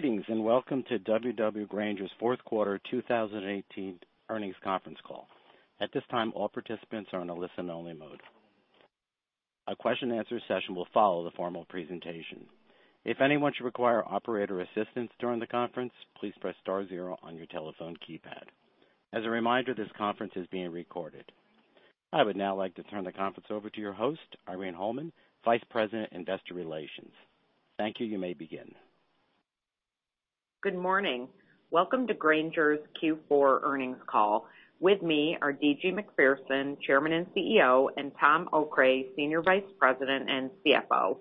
Greetings, and welcome to W.W. Grainger's fourth quarter 2018 earnings conference call. At this time, all participants are on a listen-only mode. A question-and-answer session will follow the formal presentation. If anyone should require operator assistance during the conference, please press star zero on your telephone keypad. As a reminder, this conference is being recorded. I would now like to turn the conference over to your host, Irene Holman, Vice President, Investor Relations. Thank you. You may begin. Good morning. Welcome to Grainger's Q4 earnings call. With me are D.G. Macpherson, Chairman and CEO, and Tom Okray, Senior Vice President and CFO.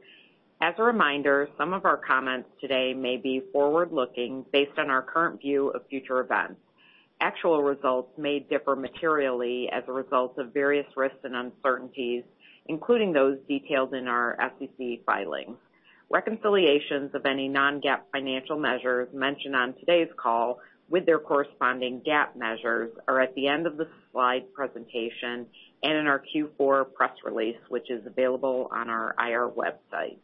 As a reminder, some of our comments today may be forward-looking, based on our current view of future events. Actual results may differ materially as a result of various risks and uncertainties, including those detailed in our SEC filings. Reconciliations of any non-GAAP financial measures mentioned on today's call with their corresponding GAAP measures are at the end of the slide presentation and in our Q4 press release, which is available on our IR website.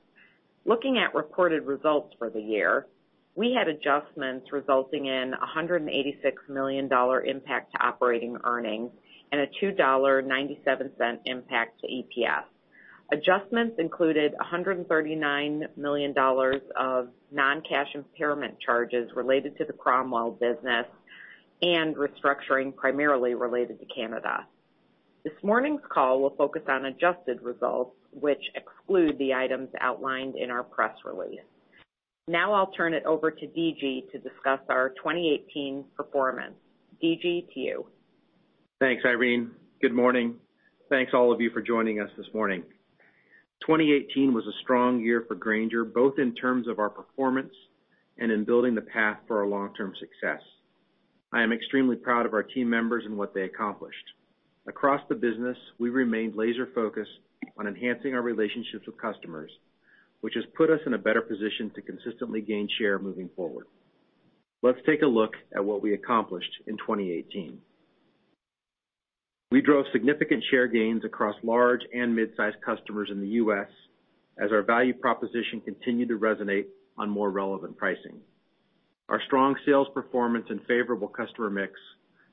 Looking at reported results for the year, we had adjustments resulting in a $186 million impact to operating earnings and a $2.97 impact to EPS. Adjustments included $139 million of non-cash impairment charges related to the Cromwell business and restructuring primarily related to Canada. This morning's call will focus on adjusted results, which exclude the items outlined in our press release. I'll turn it over to D.G. to discuss our 2018 performance. D.G., to you. Thanks, Irene. Good morning. Thanks all of you for joining us this morning. 2018 was a strong year for Grainger, both in terms of our performance and in building the path for our long-term success. I am extremely proud of our team members and what they accomplished. Across the business, we remained laser-focused on enhancing our relationships with customers, which has put us in a better position to consistently gain share moving forward. Let's take a look at what we accomplished in 2018. We drove significant share gains across large and mid-sized customers in the U.S. as our value proposition continued to resonate on more relevant pricing. Our strong sales performance and favorable customer mix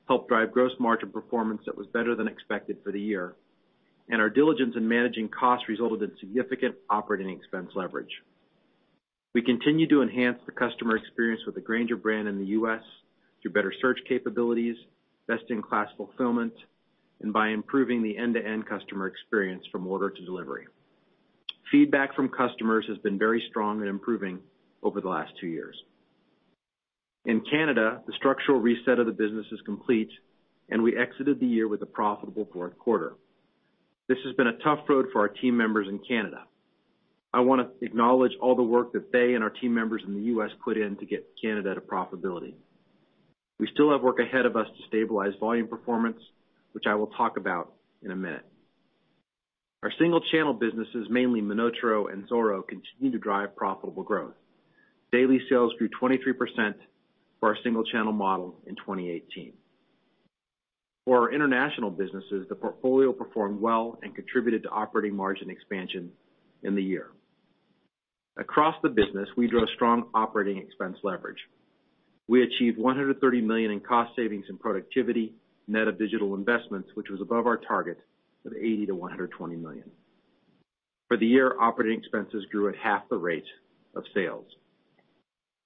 helped drive gross margin performance that was better than expected for the year, and our diligence in managing costs resulted in significant operating expense leverage. We continue to enhance the customer experience with the Grainger brand in the U.S. through better search capabilities, best-in-class fulfillment, and by improving the end-to-end customer experience from order to delivery. Feedback from customers has been very strong and improving over the last two years. In Canada, the structural reset of the business is complete, and we exited the year with a profitable fourth quarter. This has been a tough road for our team members in Canada. I wanna acknowledge all the work that they and our team members in the U.S. put in to get Canada to profitability. We still have work ahead of us to stabilize volume performance, which I will talk about in a minute. Our single channel businesses, mainly MonotaRO and Zoro, continue to drive profitable growth. Daily sales grew 23% for our single channel model in 2018. For our international businesses, the portfolio performed well and contributed to operating margin expansion in the year. Across the business, we drove strong operating expense leverage. We achieved $130 million in cost savings and productivity net of digital investments, which was above our target of $80 million-$120 million. For the year, operating expenses grew at half the rate of sales.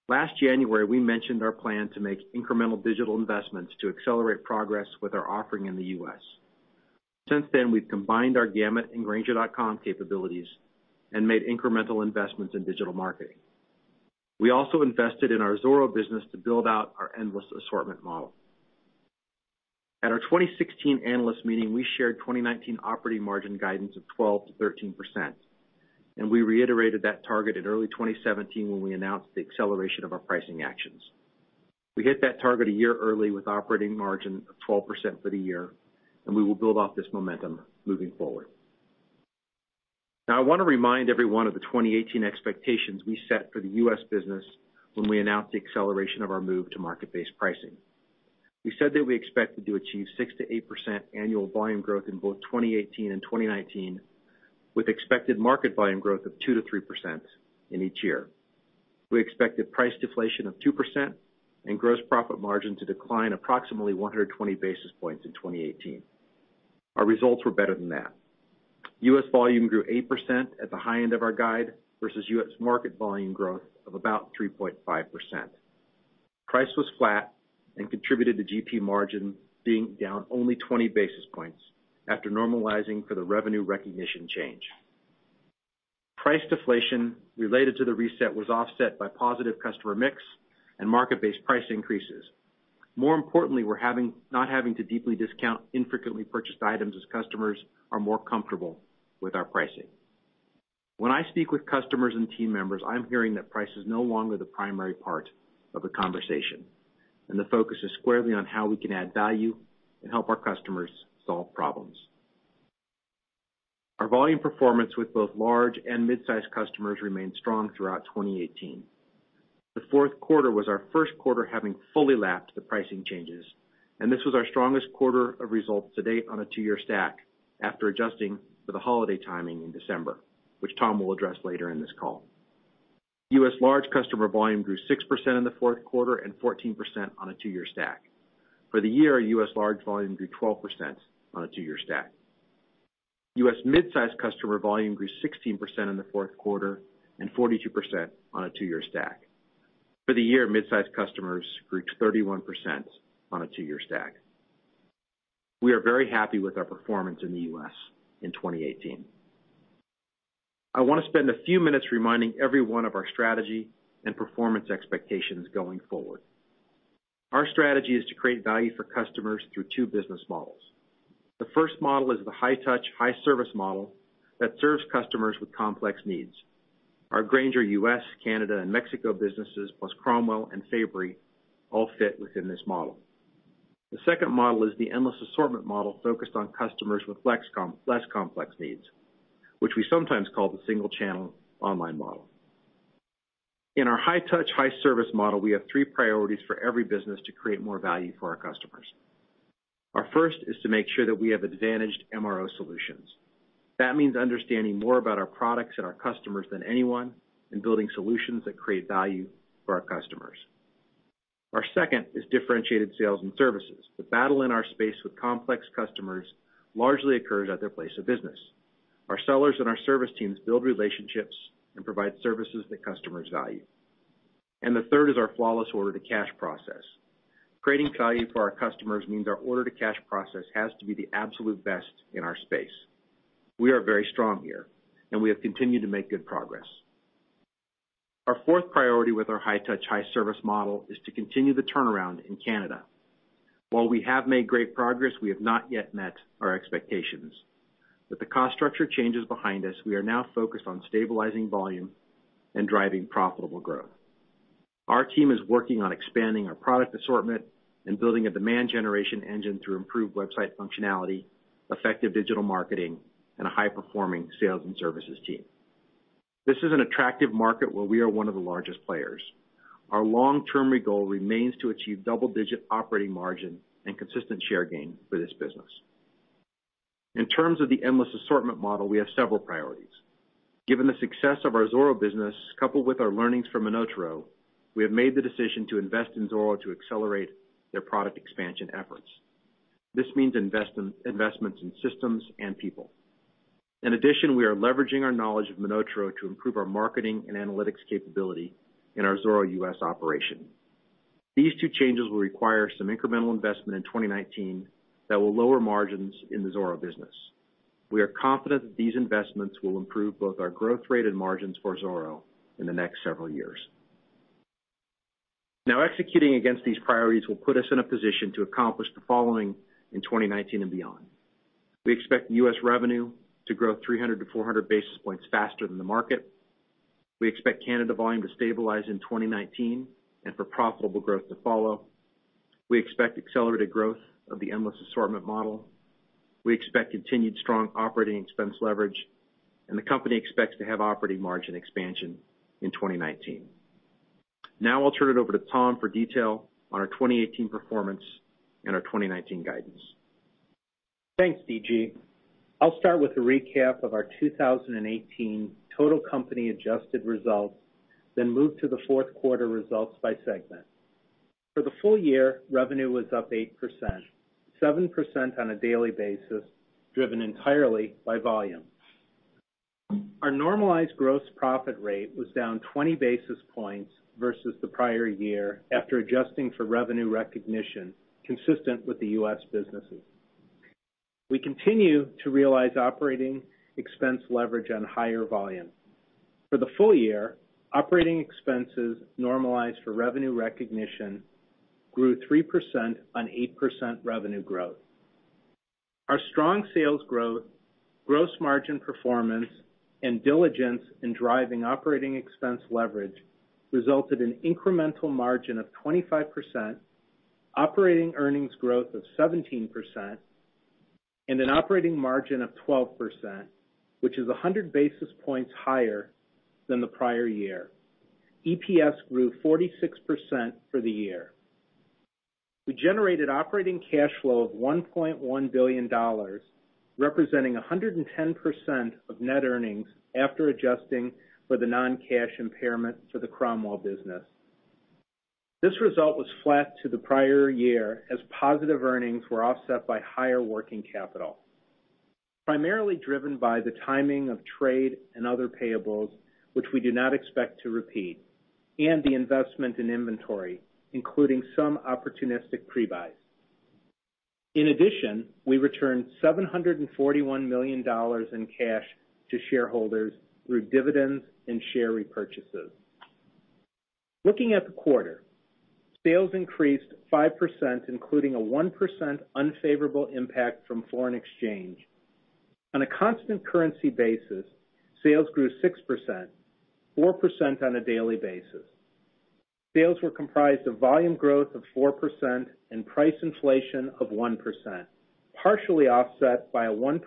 Last January, we mentioned our plan to make incremental digital investments to accelerate progress with our offering in the U.S. Since then, we've combined our Gamut and grainger.com capabilities and made incremental investments in digital marketing. We also invested in our Zoro business to build out our endless assortment model. At our 2016 analyst meeting, we shared 2019 operating margin guidance of 12%-13%, and we reiterated that target in early 2017 when we announced the acceleration of our pricing actions. We hit that target a year early with operating margin of 12% for the year. We will build off this momentum moving forward. Now, I wanna remind everyone of the 2018 expectations we set for the U.S. business when we announced the acceleration of our move to market-based pricing. We said that we expected to achieve 6%-8% annual volume growth in both 2018 and 2019, with expected market volume growth of 2%-3% in each year. We expected price deflation of 2% and gross profit margin to decline approximately 120 basis points in 2018. Our results were better than that. U.S. volume grew 8% at the high end of our guide versus U.S. market volume growth of about 3.5%. Price was flat and contributed to GP margin being down only 20 basis points after normalizing for the revenue recognition change. Price deflation related to the reset was offset by positive customer mix and market-based price increases. More importantly, not having to deeply discount infrequently purchased items as customers are more comfortable with our pricing. When I speak with customers and team members, I'm hearing that price is no longer the primary part of the conversation, and the focus is squarely on how we can add value and help our customers solve problems. Our volume performance with both large and mid-sized customers remained strong throughout 2018. The fourth quarter was our first quarter having fully lapped the pricing changes. This was our strongest quarter of results to date on a two-year stack after adjusting for the holiday timing in December, which Tom will address later in this call. U.S. large customer volume grew 6% in the fourth quarter and 14% on a two-year stack. For the year, U.S. large volume grew 12% on a two-year stack. U.S. midsize customer volume grew 16% in the fourth quarter and 42% on a two-year stack. For the year, midsize customers grew 31% on a two-year stack. We are very happy with our performance in the U.S. in 2018. I wanna spend a few minutes reminding everyone of our strategy and performance expectations going forward. Our strategy is to create value for customers through two business models. The first model is the high-touch, high-service model that serves customers with complex needs. Our Grainger U.S., Canada, and Mexico businesses, plus Cromwell and Fabory, all fit within this model. The second model is the endless assortment model focused on customers with less complex needs, which we sometimes call the single channel online model. In our high-touch, high-service model, we have three priorities for every business to create more value for our customers. Our first is to make sure that we have advantaged MRO solutions. That means understanding more about our products and our customers than anyone, and building solutions that create value for our customers. Our second is differentiated sales and services. The battle in our space with complex customers largely occurs at their place of business. Our sellers and our service teams build relationships and provide services that customers value. The third is our flawless order-to-cash process. Creating value for our customers means our order-to-cash process has to be the absolute best in our space. We are very strong here, and we have continued to make good progress. Our fourth priority with our high-touch, high-service model is to continue the turnaround in Canada. While we have made great progress, we have not yet met our expectations. With the cost structure changes behind us, we are now focused on stabilizing volume and driving profitable growth. Our team is working on expanding our product assortment and building a demand generation engine through improved website functionality, effective digital marketing, and a high-performing sales and services team. This is an attractive market where we are one of the largest players. Our long-term goal remains to achieve double-digit operating margin and consistent share gain for this business. In terms of the endless assortment model, we have several priorities. Given the success of our Zoro business, coupled with our learnings from MonotaRO, we have made the decision to invest in Zoro to accelerate their product expansion efforts. This means investments in systems and people. In addition, we are leveraging our knowledge of MonotaRO to improve our marketing and analytics capability in our Zoro U.S. operation. These two changes will require some incremental investment in 2019 that will lower margins in the Zoro business. We are confident that these investments will improve both our growth rate and margins for Zoro in the next several years. Executing against these priorities will put us in a position to accomplish the following in 2019 and beyond. We expect U.S. revenue to grow 300 to 400 basis points faster than the market. We expect Canada volume to stabilize in 2019, and for profitable growth to follow. We expect accelerated growth of the endless assortment model. We expect continued strong operating expense leverage, and the company expects to have operating margin expansion in 2019. Now I'll turn it over to Tom for detail on our 2018 performance and our 2019 guidance. Thanks, D.G. I'll start with a recap of our 2018 total company adjusted results, then move to the fourth quarter results by segment. For the full year, revenue was up 8%, 7% on a daily basis, driven entirely by volume. Our normalized gross profit rate was down 20 basis points versus the prior year after adjusting for revenue recognition consistent with the U.S. businesses. We continue to realize operating expense leverage on higher volume. For the full year, operating expenses normalized for revenue recognition grew 3% on 8% revenue growth. Our strong sales growth, gross margin performance, and diligence in driving operating expense leverage resulted in incremental margin of 25%, operating earnings growth of 17%, and an operating margin of 12%, which is 100 basis points higher than the prior year. EPS grew 46% for the year. We generated operating cash flow of $1.1 billion, representing 110% of net earnings after adjusting for the non-cash impairment for the Cromwell business. This result was flat to the prior year as positive earnings were offset by higher working capital, primarily driven by the timing of trade and other payables, which we do not expect to repeat, and the investment in inventory, including some opportunistic pre-buys. In addition, we returned $741 million in cash to shareholders through dividends and share repurchases. Looking at the quarter, sales increased 5%, including a 1% unfavorable impact from foreign exchange. On a constant currency basis, sales grew 6%, 4% on a daily basis. Sales were comprised of volume growth of 4% and price inflation of 1%, partially offset by a 1%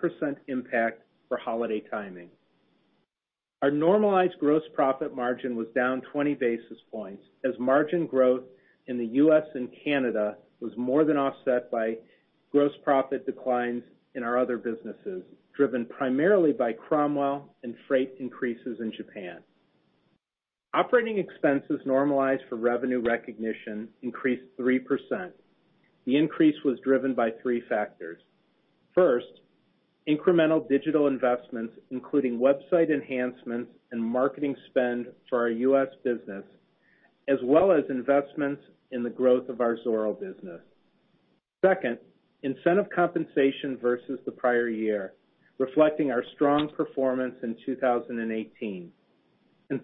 impact for holiday timing. Our normalized gross profit margin was down 20 basis points as margin growth in the U.S. and Canada was more than offset by gross profit declines in our other businesses, driven primarily by Cromwell and freight increases in Japan. Operating expenses normalized for revenue recognition increased 3%. The increase was driven by three factors. First, incremental digital investments, including website enhancements and marketing spend for our U.S. business, as well as investments in the growth of our Zoro business. Second, incentive compensation versus the prior year, reflecting our strong performance in 2018.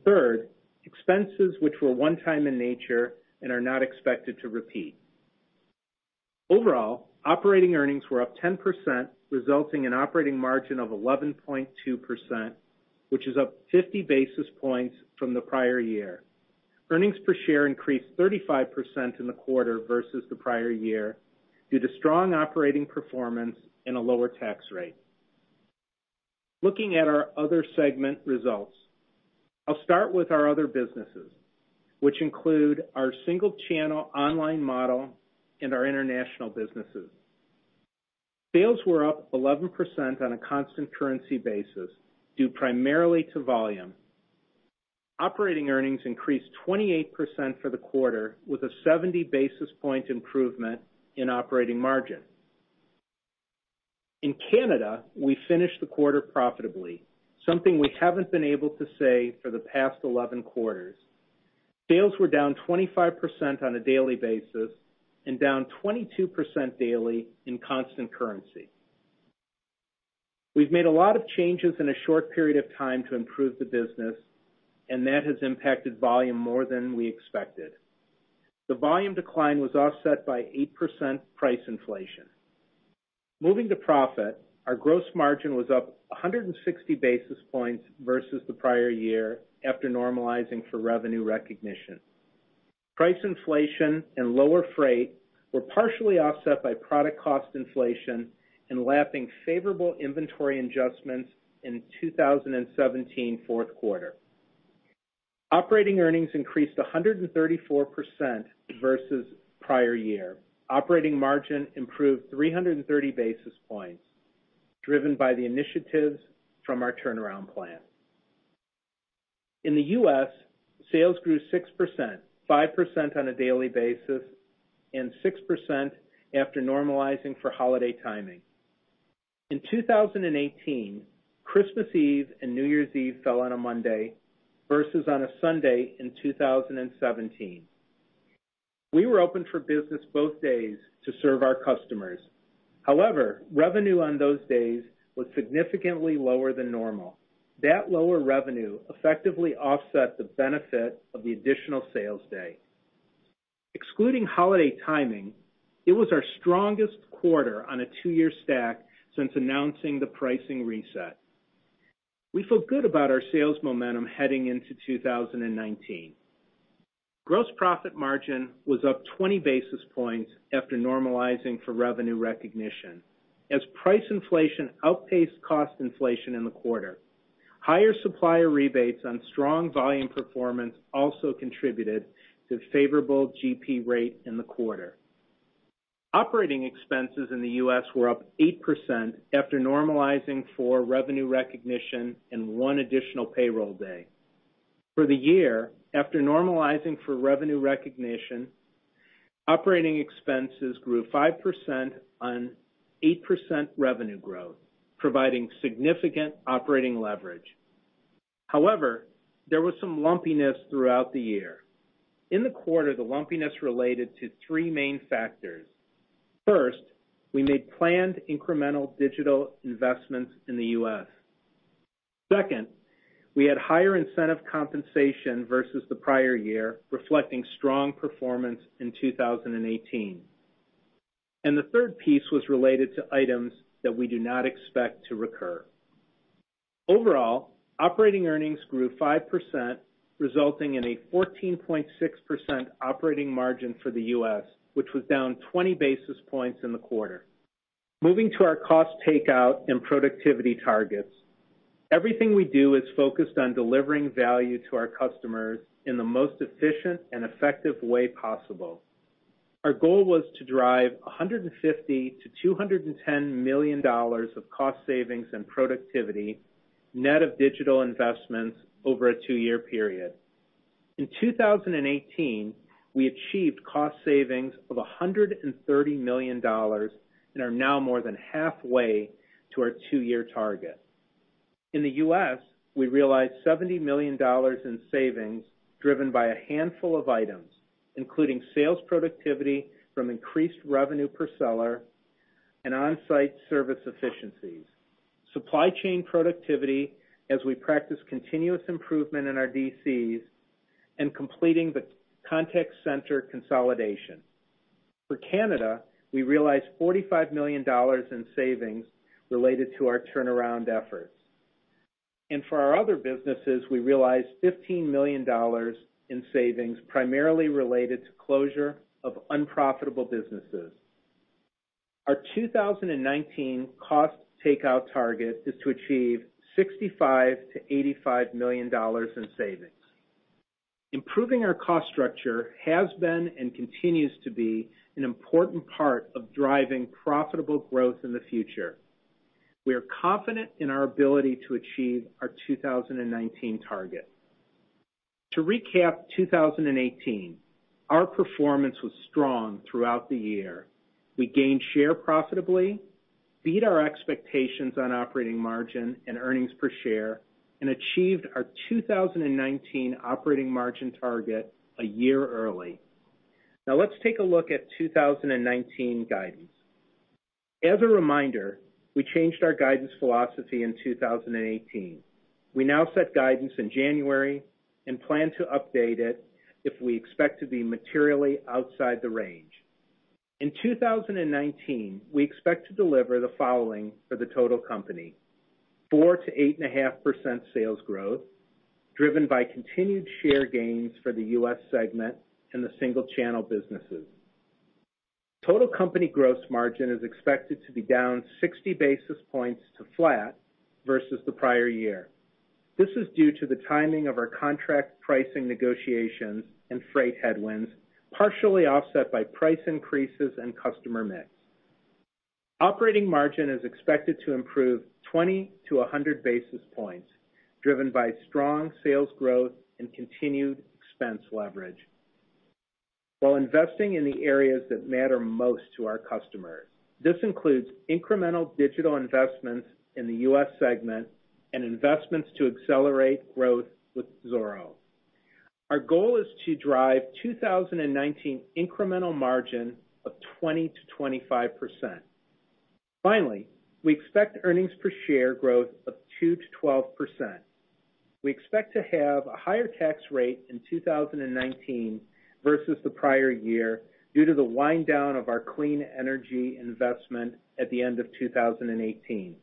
Third, expenses which were one time in nature and are not expected to repeat. Overall, operating earnings were up 10%, resulting in operating margin of 11.2%, which is up 50 basis points from the prior year. Earnings per share increased 35% in the quarter versus the prior year due to strong operating performance and a lower tax rate. Looking at our other segment results, I'll start with our other businesses, which include our single channel online model and our international businesses. Sales were up 11% on a constant currency basis due primarily to volume. Operating earnings increased 28% for the quarter with a 70 basis point improvement in operating margin. In Canada, we finished the quarter profitably, something we haven't been able to say for the past 11 quarters. Sales were down 25% on a daily basis and down 22% daily in constant currency. We've made a lot of changes in a short period of time to improve the business, and that has impacted volume more than we expected. The volume decline was offset by 8% price inflation. Moving to profit, our gross margin was up 160 basis points versus the prior year after normalizing for revenue recognition. Price inflation and lower freight were partially offset by product cost inflation and lapping favorable inventory adjustments in 2017 Q4. Operating earnings increased 134% versus prior year. Operating margin improved 330 basis points, driven by the initiatives from our turnaround plan. In the U.S., sales grew 6%, 5% on a daily basis, and 6% after normalizing for holiday timing. In 2018, Christmas Eve and New Year's Eve fell on a Monday versus on a Sunday in 2017. We were open for business both days to serve our customers. However, revenue on those days was significantly lower than normal. That lower revenue effectively offset the benefit of the additional sales day. Excluding holiday timing, it was our strongest quarter on a two-year stack since announcing the pricing reset. We feel good about our sales momentum heading into 2019. Gross profit margin was up 20 basis points after normalizing for revenue recognition. As price inflation outpaced cost inflation in the quarter, higher supplier rebates on strong volume performance also contributed to favorable GP rate in the quarter. Operating expenses in the U.S. were up 8% after normalizing for revenue recognition and 1 additional payroll day. For the year, after normalizing for revenue recognition, operating expenses grew 5% on 8% revenue growth, providing significant operating leverage. There was some lumpiness throughout the year. In the quarter, the lumpiness related to three main factors. First, we made planned incremental digital investments in the U.S. Second, we had higher incentive compensation versus the prior year, reflecting strong performance in 2018. The third piece was related to items that we do not expect to recur. Overall, operating earnings grew 5%, resulting in a 14.6% operating margin for the U.S., which was down 20 basis points in the quarter. Moving to our cost takeout and productivity targets. Everything we do is focused on delivering value to our customers in the most efficient and effective way possible. Our goal was to drive $150 million-$210 million of cost savings and productivity net of digital investments over a two-year period. In 2018, we achieved cost savings of $130 million and are now more than halfway to our two-year target. In the U.S., we realized $70 million in savings driven by a handful of items, including sales productivity from increased revenue per seller and on-site service efficiencies, supply chain productivity as we practice continuous improvement in our DCs, and completing the contact center consolidation. For Canada, we realized $45 million in savings related to our turnaround efforts. For our other businesses, we realized $15 million in savings, primarily related to closure of unprofitable businesses. Our 2019 cost takeout target is to achieve $65 million-$85 million in savings. Improving our cost structure has been and continues to be an important part of driving profitable growth in the future. We are confident in our ability to achieve our 2019 target. To recap 2018, our performance was strong throughout the year. We gained share profitably, beat our expectations on operating margin and earnings per share, and achieved our 2019 operating margin target a year early. Now let's take a look at 2019 guidance. As a reminder, we changed our guidance philosophy in 2018. We now set guidance in January and plan to update it if we expect to be materially outside the range. In 2019, we expect to deliver the following for the total company. 4%-8.5% sales growth, driven by continued share gains for the U.S. segment and the single channel businesses. Total company gross margin is expected to be down 60 basis points to flat versus the prior year. This is due to the timing of our contract pricing negotiations and freight headwinds, partially offset by price increases and customer mix. Operating margin is expected to improve 20 to 100 basis points, driven by strong sales growth and continued expense leverage. While investing in the areas that matter most to our customers, this includes incremental digital investments in the U.S. segment and investments to accelerate growth with Zoro. Our goal is to drive 2019 incremental margin of 20%-25%. Finally, we expect earnings per share growth of 2%-12%. We expect to have a higher tax rate in 2019 versus the prior year due to the wind down of our clean energy investment at the end of 2018.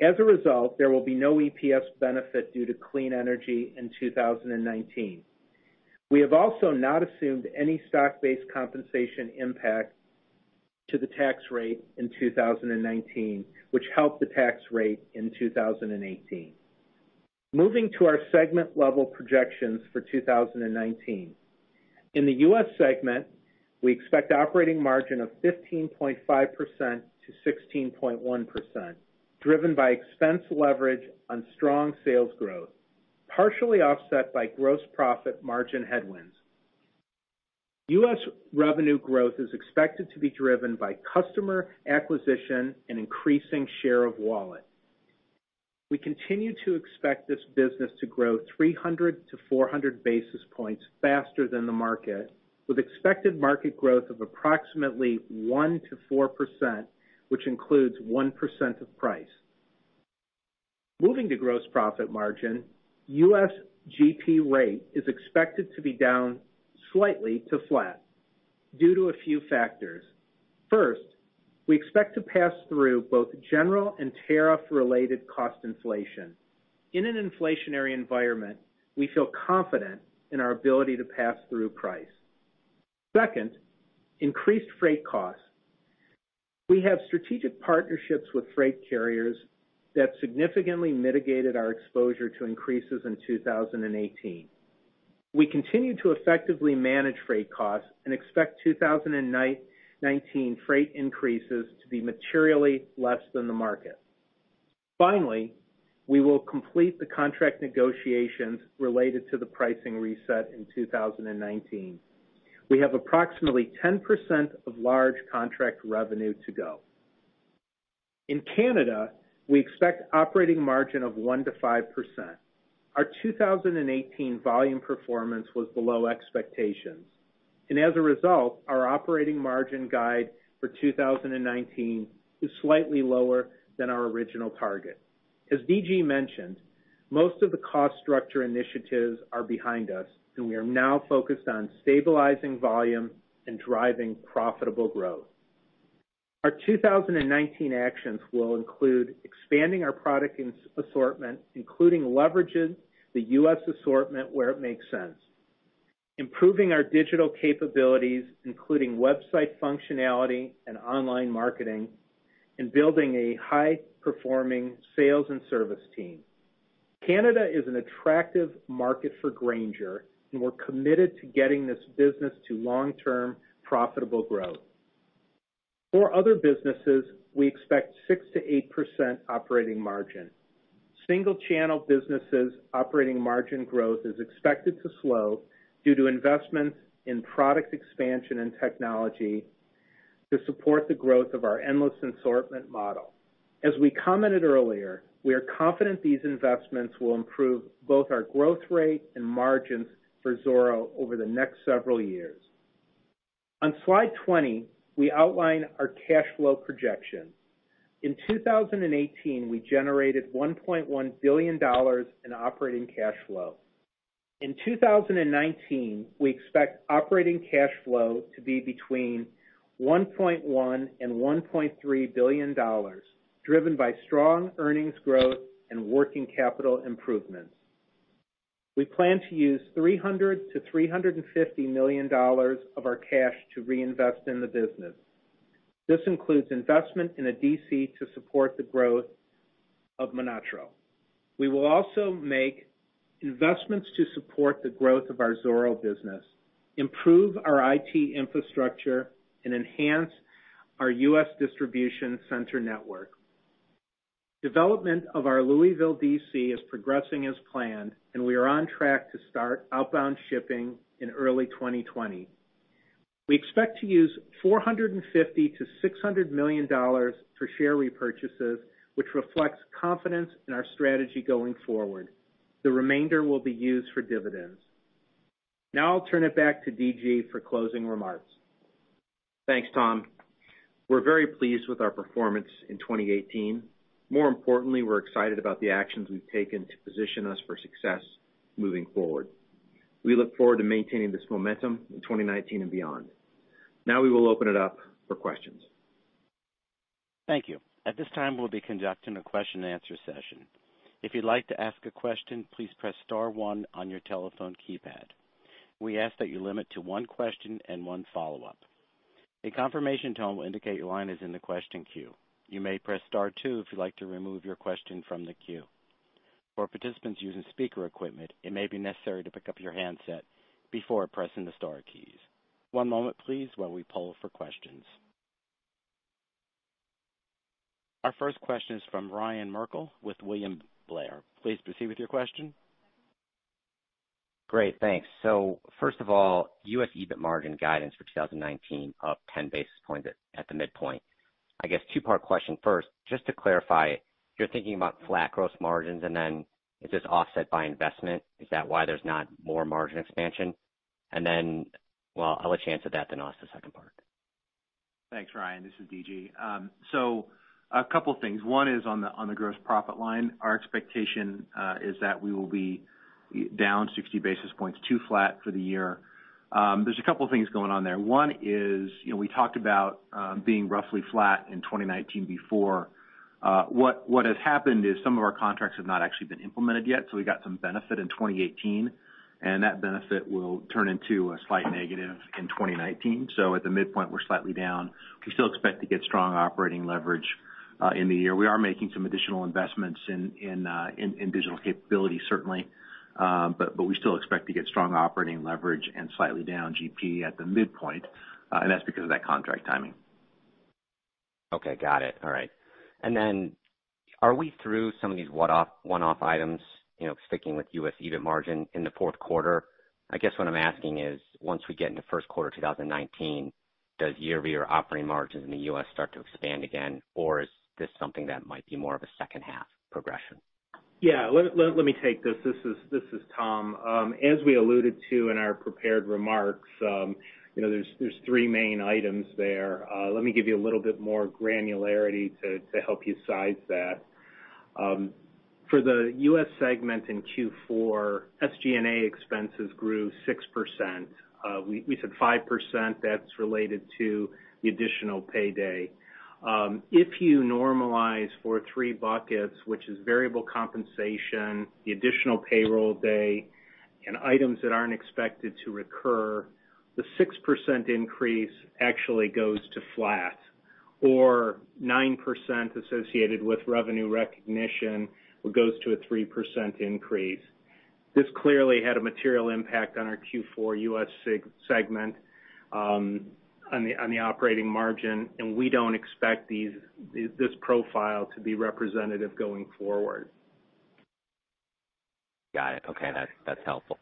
As a result, there will be no EPS benefit due to clean energy in 2019. We have also not assumed any stock-based compensation impact to the tax rate in 2019, which helped the tax rate in 2018. Moving to our segment level projections for 2019. In the U.S. segment, we expect operating margin of 15.5%-16.1%, driven by expense leverage on strong sales growth, partially offset by gross profit margin headwinds. U.S. revenue growth is expected to be driven by customer acquisition and increasing share of wallet. We continue to expect this business to grow 300 to 400 basis points faster than the market, with expected market growth of approximately 1% to 4%, which includes 1% of price. Moving to gross profit margin, U.S. GP rate is expected to be down slightly to flat due to a few factors. First, we expect to pass through both general and tariff-related cost inflation. In an inflationary environment, we feel confident in our ability to pass through price. Second, increased freight costs. We have strategic partnerships with freight carriers that significantly mitigated our exposure to increases in 2018. We continue to effectively manage freight costs and expect 2019 freight increases to be materially less than the market. Finally, we will complete the contract negotiations related to the pricing reset in 2019. We have approximately 10% of large contract revenue to go. In Canada, we expect operating margin of 1%-5%. Our 2018 volume performance was below expectations, and as a result, our operating margin guide for 2019 is slightly lower than our original target. As D.G. mentioned, most of the cost structure initiatives are behind us, and we are now focused on stabilizing volume and driving profitable growth. Our 2019 actions will include expanding our product assortment, including leveraging the U.S. assortment where it makes sense, improving our digital capabilities, including website functionality and online marketing, and building a high-performing sales and service team. Canada is an attractive market for Grainger, and we're committed to getting this business to long-term profitable growth. For other businesses, we expect 6%-8% operating margin. Single channel businesses operating margin growth is expected to slow due to investments in product expansion and technology to support the growth of our endless assortment model. As we commented earlier, we are confident these investments will improve both our growth rate and margins for Zoro over the next several years. On slide 20, we outline our cash flow projection. In 2018, we generated $1.1 billion in operating cash flow. In 2019, we expect operating cash flow to be between $1.1 billion and $1.3 billion, driven by strong earnings growth and working capital improvements. We plan to use $300 million to $350 million of our cash to reinvest in the business. This includes investment in a DC to support the growth of MonotaRO. We will also make investments to support the growth of our Zoro business, improve our IT infrastructure, and enhance our U.S. distribution center network. Development of our Louisville D.C. is progressing as planned, and we are on track to start outbound shipping in early 2020. We expect to use $450 million-$600 million for share repurchases, which reflects confidence in our strategy going forward. The remainder will be used for dividends. Now I'll turn it back to D.G. for closing remarks. Thanks, Tom. We're very pleased with our performance in 2018. More importantly, we're excited about the actions we've taken to position us for success moving forward. We look forward to maintaining this momentum in 2019 and beyond. Now we will open it up for questions. Thank you. At this time we'll be conducting a question-and-answer session. If you'd like to ask a question please press star one on your telephone keypad. We ask that you limit to one question and one follow-up. A confirmation tone will indicate that your line is in the question queue. You may press star two, if you'd like to remove your question from the queue. Our participants using speaker equipment, it maybe necessary to pick-up your handset before pressing the star keys. One moment please while we pause for questions. Our first question is from Ryan Merkel with William Blair. Please proceed with your question. Great, thanks. First of all, U.S. EBIT margin guidance for 2019 up 10 basis points at the midpoint. I guess two-part question. First, just to clarify, you're thinking about flat gross margins, and then is this offset by investment? Is that why there's not more margin expansion? Well, I'll let you answer that, then I'll ask the second part. Thanks, Ryan. This is D.G. A couple things. One is on the gross profit line. Our expectation is that we will be down 60 basis points to flat for the year. There's a couple things going on there. One is, you know, we talked about being roughly flat in 2019 before. What has happened is some of our contracts have not actually been implemented yet, we got some benefit in 2018, that benefit will turn into a slight negative in 2019. At the midpoint, we're slightly down. We still expect to get strong operating leverage in the year. We are making some additional investments in digital capability, certainly. We still expect to get strong operating leverage and slightly down GP at the midpoint, and that's because of that contract timing. Okay, got it. All right. Are we through some of these one-off items, you know, sticking with U.S. EBIT margin in the fourth quarter? I guess what I'm asking is, once we get into first quarter 2019, does year-over-year operating margins in the U.S. start to expand again, or is this something that might be more of a second half progression? Yeah. Let me take this. This is Tom. As we alluded to in our prepared remarks, you know, there's 3 main items there. Let me give you a little bit more granularity to help you size that. For the U.S. segment in Q4, SG&A expenses grew 6%. We said 5%. That's related to the additional pay day. If you normalize for three buckets, which is variable compensation, the additional payroll day, and items that aren't expected to recur, the 6% increase actually goes to flat, or 9% associated with revenue recognition goes to a 3% increase. This clearly had a material impact on our Q4 U.S. segment, on the operating margin, and we don't expect this profile to be representative going forward. Got it. Okay. That's helpful.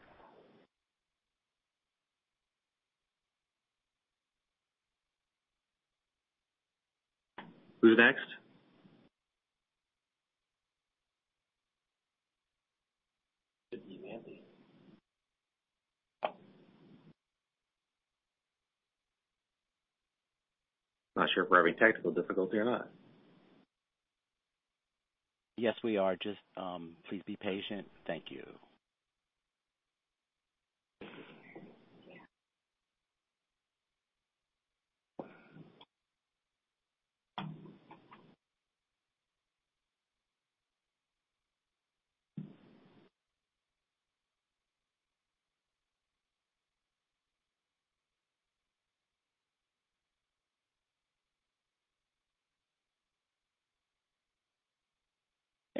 Who's next? Should be Manthey. Not sure if we're having technical difficulty or not. Yes, we are. Just, please be patient. Thank you.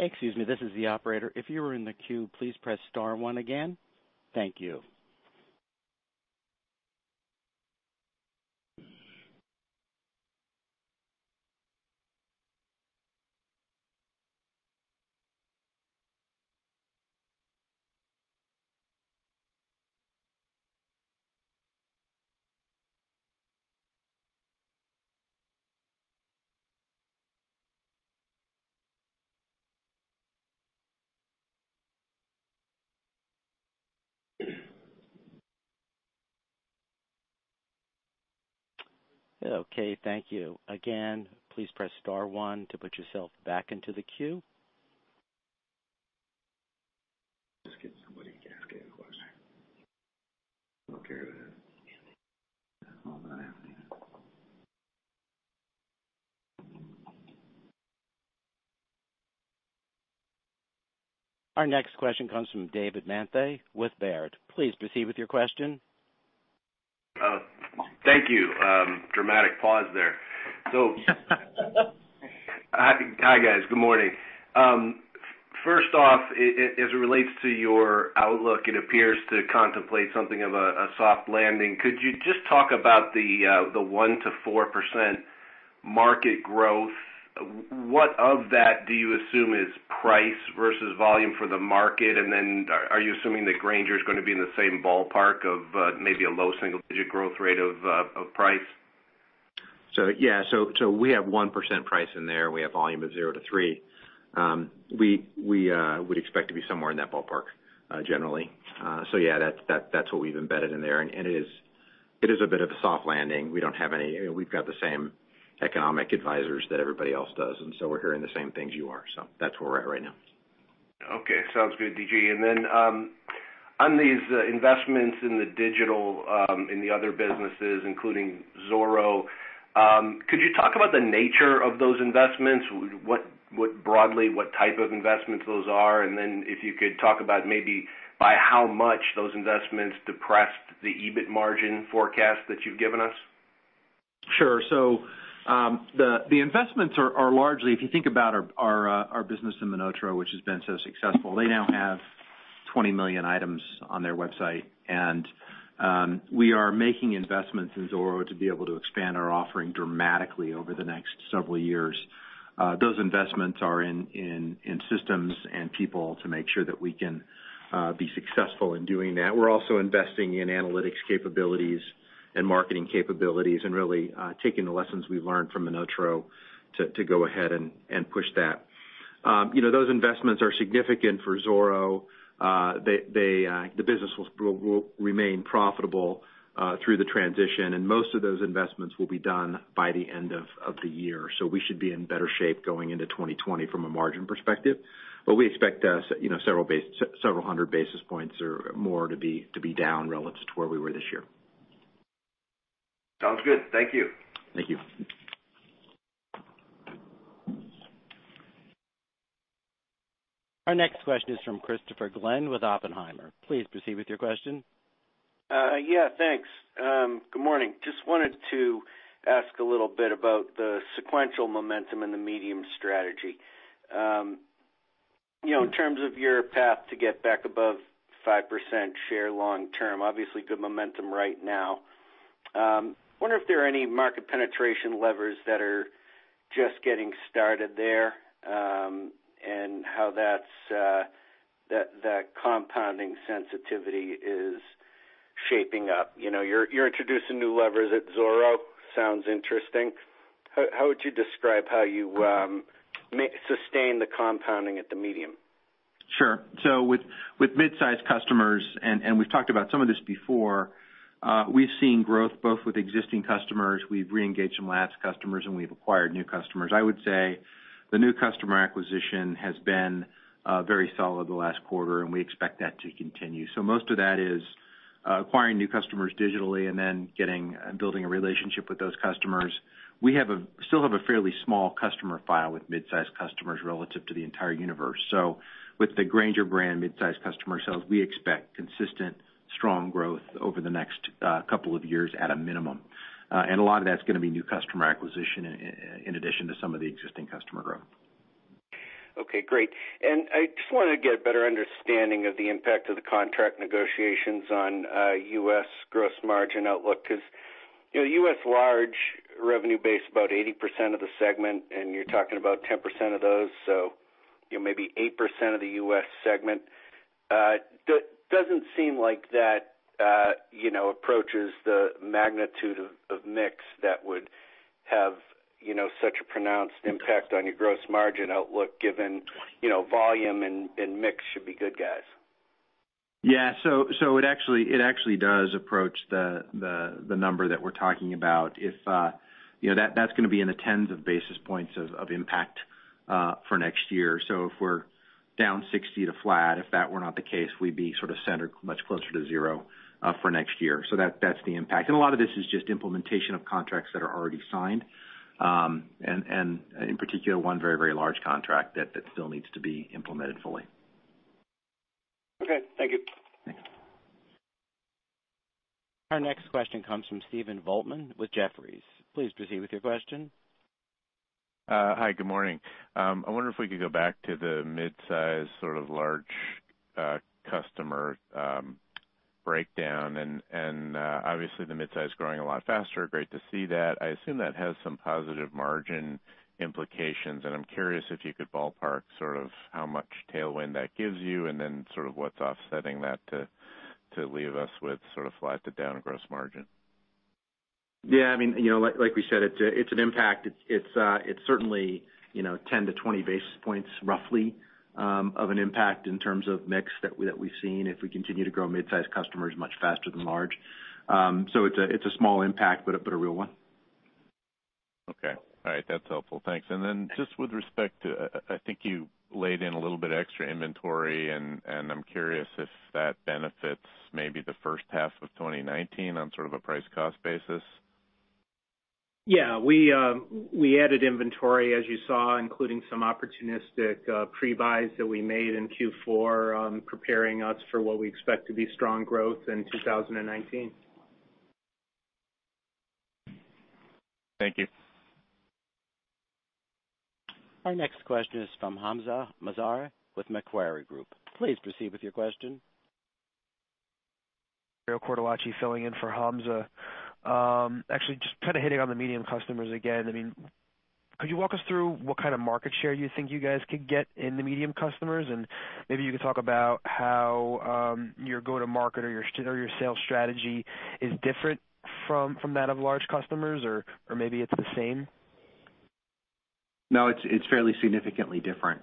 Excuse me, this is the operator. If you were in the queue, please press star one again. Thank you. Okay, thank you. Again, please press star one to put yourself back into the queue. Just get somebody to ask a question. I don't care who it is. Our next question comes from David Manthey with Baird. Please proceed with your question. Thank you. Dramatic pause there. Hi, guys. Good morning. First off, as it relates to your outlook, it appears to contemplate something of a soft landing. Could you just talk about the 1%-4% market growth? What of that do you assume is price versus volume for the market? Then are you assuming that Grainger is gonna be in the same ballpark of maybe a low single-digit growth rate of price? Yeah. So we have 1% price in there. We have volume of zero to three. We would expect to be somewhere in that ballpark generally. Yeah, that's what we've embedded in there. It is a bit of a soft landing. We don't have any. You know, we've got the same economic advisors that everybody else does, and so we're hearing the same things you are. That's where we're at right now. Okay. Sounds good, D.G. On these investments in the digital, in the other businesses, including Zoro, could you talk about the nature of those investments? What broadly, what type of investments those are? If you could talk about maybe by how much those investments depressed the EBIT margin forecast that you've given us. Sure. The investments are largely, if you think about our business in MonotaRO, which has been so successful, they now have 20 million items on their website. We are making investments in Zoro to be able to expand our offering dramatically over the next several years. Those investments are in systems and people to make sure that we can be successful in doing that. We're also investing in analytics capabilities and marketing capabilities and really taking the lessons we've learned from MonotaRO to go ahead and push that. You know, those investments are significant for Zoro. The business will remain profitable through the transition, and most of those investments will be done by the end of the year. We should be in better shape going into 2020 from a margin perspective. We expect several 100 basis points or more to be down relative to where we were this year. Sounds good. Thank you. Thank you. Our next question is from Christopher Glynn with Oppenheimer. Please proceed with your question. Yeah, thanks. Good morning. Just wanted to ask a little bit about the sequential momentum in the medium strategy. You know, in terms of your path to get back above 5% share long term, obviously good momentum right now. Wonder if there are any market penetration levers that are just getting started there, and how that's, that compounding sensitivity is shaping up. You know, you're introducing new levers at Zoro. Sounds interesting. How would you describe how you sustain the compounding at the medium? Sure. With midsize customers, and we've talked about some of this before, we've seen growth both with existing customers. We've re-engaged some lapsed customers, and we've acquired new customers. I would say the new customer acquisition has been very solid the last quarter, and we expect that to continue. Most of that is acquiring new customers digitally and then building a relationship with those customers. We still have a fairly small customer file with midsize customers relative to the entire universe. With the Grainger brand midsize customer sales, we expect consistent strong growth over the next two years at a minimum. And a lot of that's gonna be new customer acquisition in addition to some of the existing customer growth. Okay, great. I just wanted to get a better understanding of the impact of the contract negotiations on U.S. gross margin outlook. 'Cause, you know, U.S. large revenue base, about 80% of the segment, and you're talking about 10% of those, so, you know, maybe 8% of the U.S. segment. Doesn't seem like that, you know, approaches the magnitude of mix that would have, you know, such a pronounced impact on your gross margin outlook given, you know, volume and mix should be good guys. Yeah. It actually does approach the number that we're talking about. If, you know, that's going to be in the tens of basis points of impact for next year. If we're down 60 to flat, if that were not the case, we'd be sort of centered much closer to zero for next year. That's the impact. A lot of this is just implementation of contracts that are already signed, and in particular, one very large contract that still needs to be implemented fully. Okay. Thank you. Thanks. Our next question comes from Stephen Volkmann with Jefferies. Please proceed with your question. Hi, good morning. I wonder if we could go back to the midsize, sort of large, customer, breakdown and, obviously the midsize growing a lot faster. Great to see that. I assume that has some positive margin implications, and I'm curious if you could ballpark sort of how much tailwind that gives you and then sort of what's offsetting that to leave us with sort of flat to down gross margin. Yeah, I mean, you know, like we said, it's an impact. It's certainly, you know, 10-20 basis points roughly of an impact in terms of mix that we've seen if we continue to grow midsize customers much faster than large. It's a small impact, but a real one. Okay. All right. That's helpful. Thanks. Then just with respect to, I think you laid in a little bit of extra inventory, and I'm curious if that benefits maybe the first half of 2019 on sort of a price cost basis? Yeah, we added inventory as you saw, including some opportunistic pre-buys that we made in Q4, preparing us for what we expect to be strong growth in 2019. Thank you. Our next question is from Hamzah Mazari with Macquarie Group. Please proceed with your question. Mario Cortellacci filling in for Hamzah. Actually, just kind of hitting on the medium customers again. I mean, could you walk us through what kind of market share you think you guys could get in the medium customers? Maybe you could talk about how your go-to-market or your sales strategy is different from that of large customers or maybe it's the same. No, it's fairly significantly different.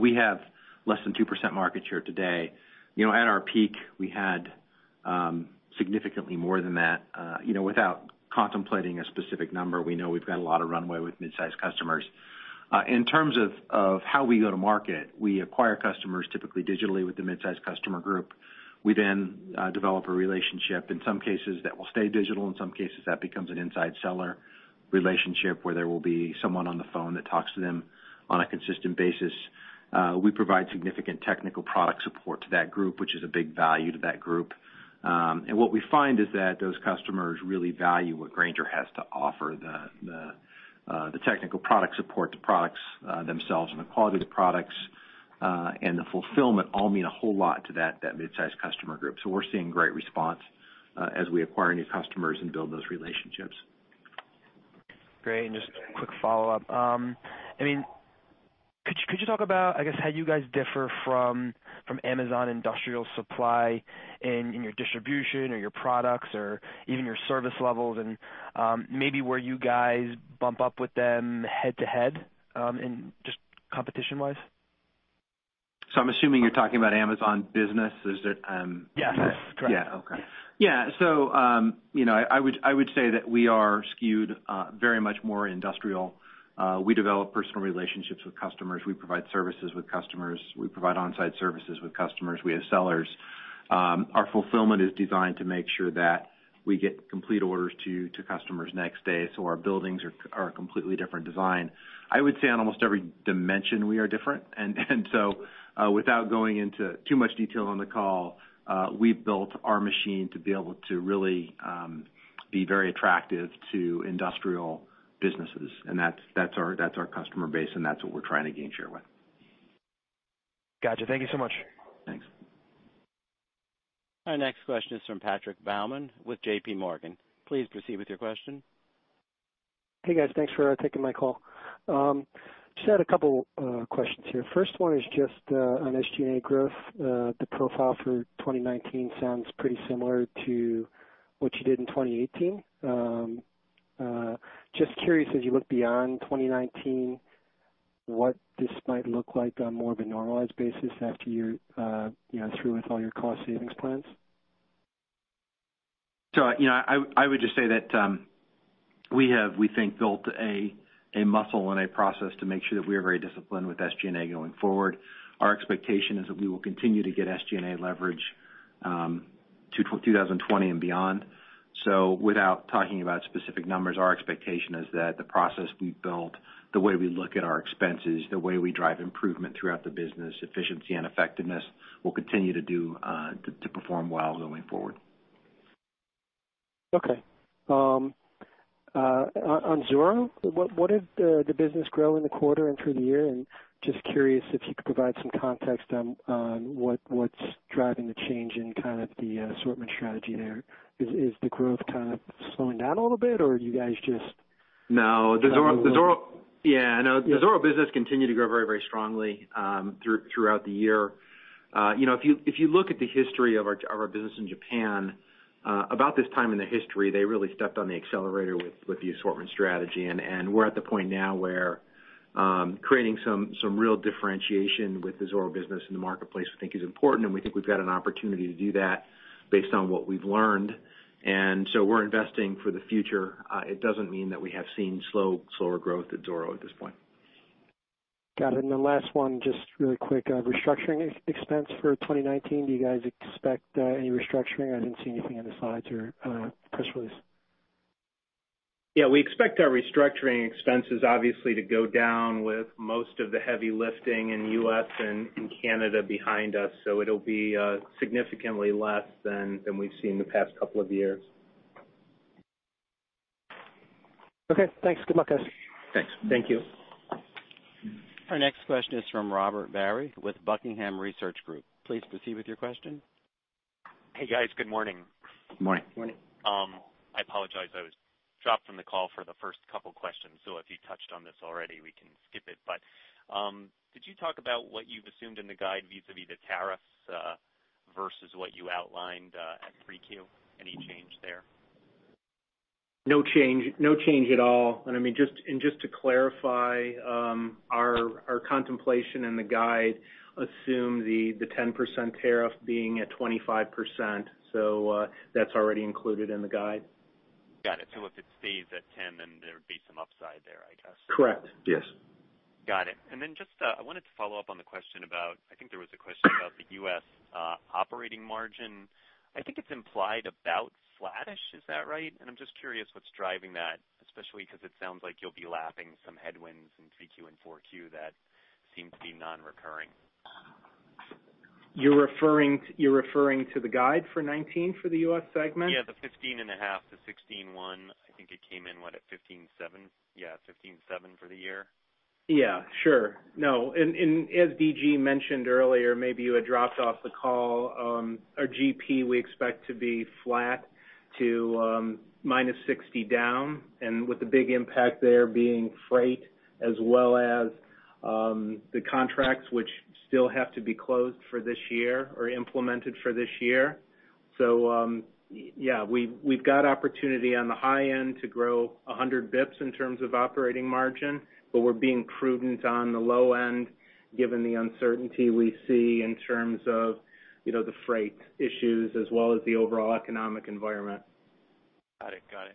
We have less than 2% market share today. You know, at our peak, we had significantly more than that. You know, without contemplating a specific number, we know we've got a lot of runway with mid-sized customers. In terms of how we go to market, we acquire customers typically digitally with the mid-sized customer group. We then develop a relationship, in some cases that will stay digital, in some cases that becomes an inside seller relationship, where there will be someone on the phone that talks to them on a consistent basis. We provide significant technical product support to that group, which is a big value to that group. And what we find is that those customers really value what Grainger has to offer, the technical product support, the products themselves and the quality of the products, and the fulfillment all mean a whole lot to that mid-sized customer group. We're seeing great response, as we acquire new customers and build those relationships. Great. Just a quick follow-up. I mean, could you talk about, I guess, how you guys differ from Amazon Industrial Supply in your distribution or your products or even your service levels? Maybe where you guys bump up with them head-to-head in just competition-wise. I'm assuming you're talking about Amazon Business. Is that? Yes, correct. Yeah, okay. Yeah. You know, I would say that we are skewed very much more industrial. We develop personal relationships with customers. We provide services with customers. We provide on-site services with customers. We have sellers. Our fulfillment is designed to make sure that we get complete orders to customers next day. Our buildings are a completely different design. I would say on almost every dimension we are different. Without going into too much detail on the call, we've built our machine to be able to really be very attractive to industrial businesses. That's our customer base, and that's what we're trying to gain share with. Gotcha. Thank you so much. Thanks. Our next question is from Patrick Baumann with JPMorgan. Please proceed with your question. Hey, guys. Thanks for taking my call. Just had a couple questions here. First one is just on SG&A growth. The profile for 2019 sounds pretty similar to what you did in 2018. Just curious, as you look beyond 2019, what this might look like on more of a normalized basis after you're, you know, through with all your cost savings plans. You know, I would just say that we have, we think, built a muscle and a process to make sure that we are very disciplined with SG&A going forward. Our expectation is that we will continue to get SG&A leverage to 2020 and beyond. Without talking about specific numbers, our expectation is that the process we've built, the way we look at our expenses, the way we drive improvement throughout the business, efficiency and effectiveness, will continue to perform well going forward. Okay. On Zoro, what did the business grow in the quarter and through the year? Just curious if you could provide some context on what's driving the change in kind of the assortment strategy there. Is the growth kind of slowing down a little bit? No. The Zoro. Yeah. No. The Zoro business continued to grow very, very strongly throughout the year. You know, if you look at the history of our business in Japan, about this time in the history, they really stepped on the accelerator with the assortment strategy. We're at the point now where creating some real differentiation with the Zoro business in the marketplace, we think is important, and we think we've got an opportunity to do that based on what we've learned. We're investing for the future. It doesn't mean that we have seen slower growth at Zoro at this point. Got it. Last one, just really quick. Restructuring expense for 2019. Do you guys expect any restructuring? I didn't see anything in the slides or press release. Yeah. We expect our restructuring expenses obviously to go down with most of the heavy lifting in U.S. and in Canada behind us. It'll be significantly less than we've seen the past couple of years. Okay, thanks. Good luck, guys. Thanks. Thank you. Our next question is from Robert Barry with Buckingham Research Group. Please proceed with your question. Hey, guys. Good morning. Good morning. Morning. I apologize, I was dropped from the call for the first two questions, so if you touched on this already, we can skip it. Could you talk about what you've assumed in the guide vis-à-vis the tariffs, versus what you outlined, at 3Q? Any change there? No change. No change at all. I mean, just to clarify, our contemplation in the guide assume the 10% tariff being at 25%, that's already included in the guide. Got it. If it stays at 10, then there would be some upside there, I guess. Correct. Yes. Got it. I wanted to follow up on the question about I think there was a question about the U.S. operating margin. I think it's implied about flattish, is that right? I'm just curious what's driving that, especially 'cause it sounds like you'll be lapping some headwinds in 3Q and 4Q that seem to be non-recurring. You're referring to the guide for 2019 for the U.S. segment? Yeah, the 15.5 to 16.1. I think it came in, what, at 15.7? Yeah, 15.7 for the year. Sure. No, as D.G. mentioned earlier, maybe you had dropped off the call, our GP, we expect to be flat to minus 60 down, with the big impact there being freight as well as the contracts which still have to be closed for this year or implemented for this year. Yeah, we've got opportunity on the high end to grow 100 bps in terms of operating margin. We're being prudent on the low end given the uncertainty we see in terms of, you know, the freight issues as well as the overall economic environment. Got it. Got it.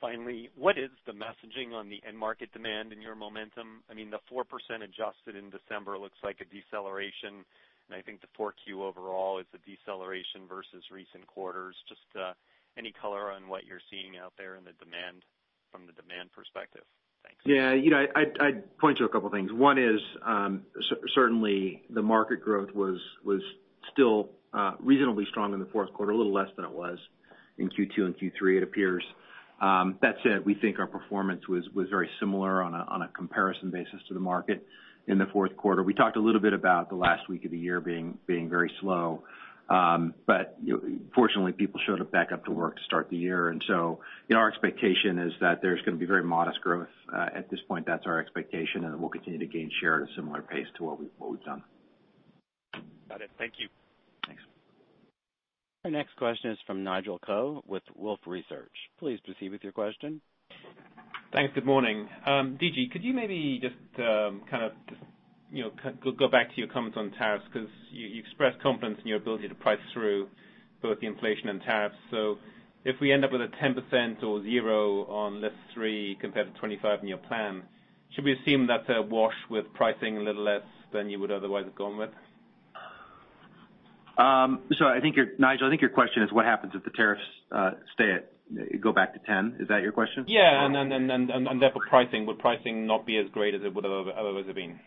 Finally, what is the messaging on the end market demand in your momentum? I mean, the 4% adjusted in December looks like a deceleration, I think the Q4 overall is a deceleration versus recent quarters. Any color on what you're seeing out there in the demand from the demand perspective? Thanks. Yeah, you know, I'd point to two things. One is, certainly the market growth was still reasonably strong in the fourth quarter, a little less than it was in Q2 and Q3, it appears. That said, we think our performance was very similar on a comparison basis to the market in the fourth quarter. We talked a little bit about the last week of the year being very slow. You know, fortunately, people showed up back up to work to start the year. You know, our expectation is that there's gonna be very modest growth. At this point, that's our expectation, we'll continue to gain share at a similar pace to what we've done. Got it. Thank you. Thanks. Our next question is from Nigel Coe with Wolfe Research. Please proceed with your question. Thanks. Good morning. D.G., could you maybe just, you know, go back to your comments on tariffs because you expressed confidence in your ability to price through both the inflation and tariffs. If we end up with a 10% or zero on List 3 compared to 25 in your plan, should we assume that's a wash with pricing a little less than you would otherwise have gone with? I think Nigel, I think your question is what happens if the tariffs, stay at, go back to 10. Is that your question? Yeah, pricing, would pricing not be as great as it would have otherwise have been?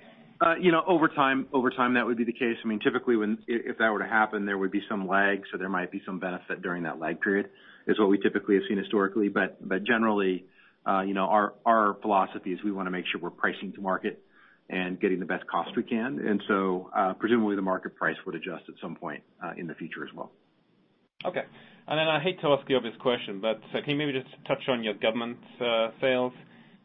You know, over time, that would be the case. I mean, typically, if that were to happen, there would be some lag, so there might be some benefit during that lag period, is what we typically have seen historically. Generally, you know, our philosophy is we wanna make sure we're pricing to market and getting the best cost we can. Presumably the market price would adjust at some point in the future as well. Okay. I hate to ask the obvious question, can you maybe just touch on your government sales?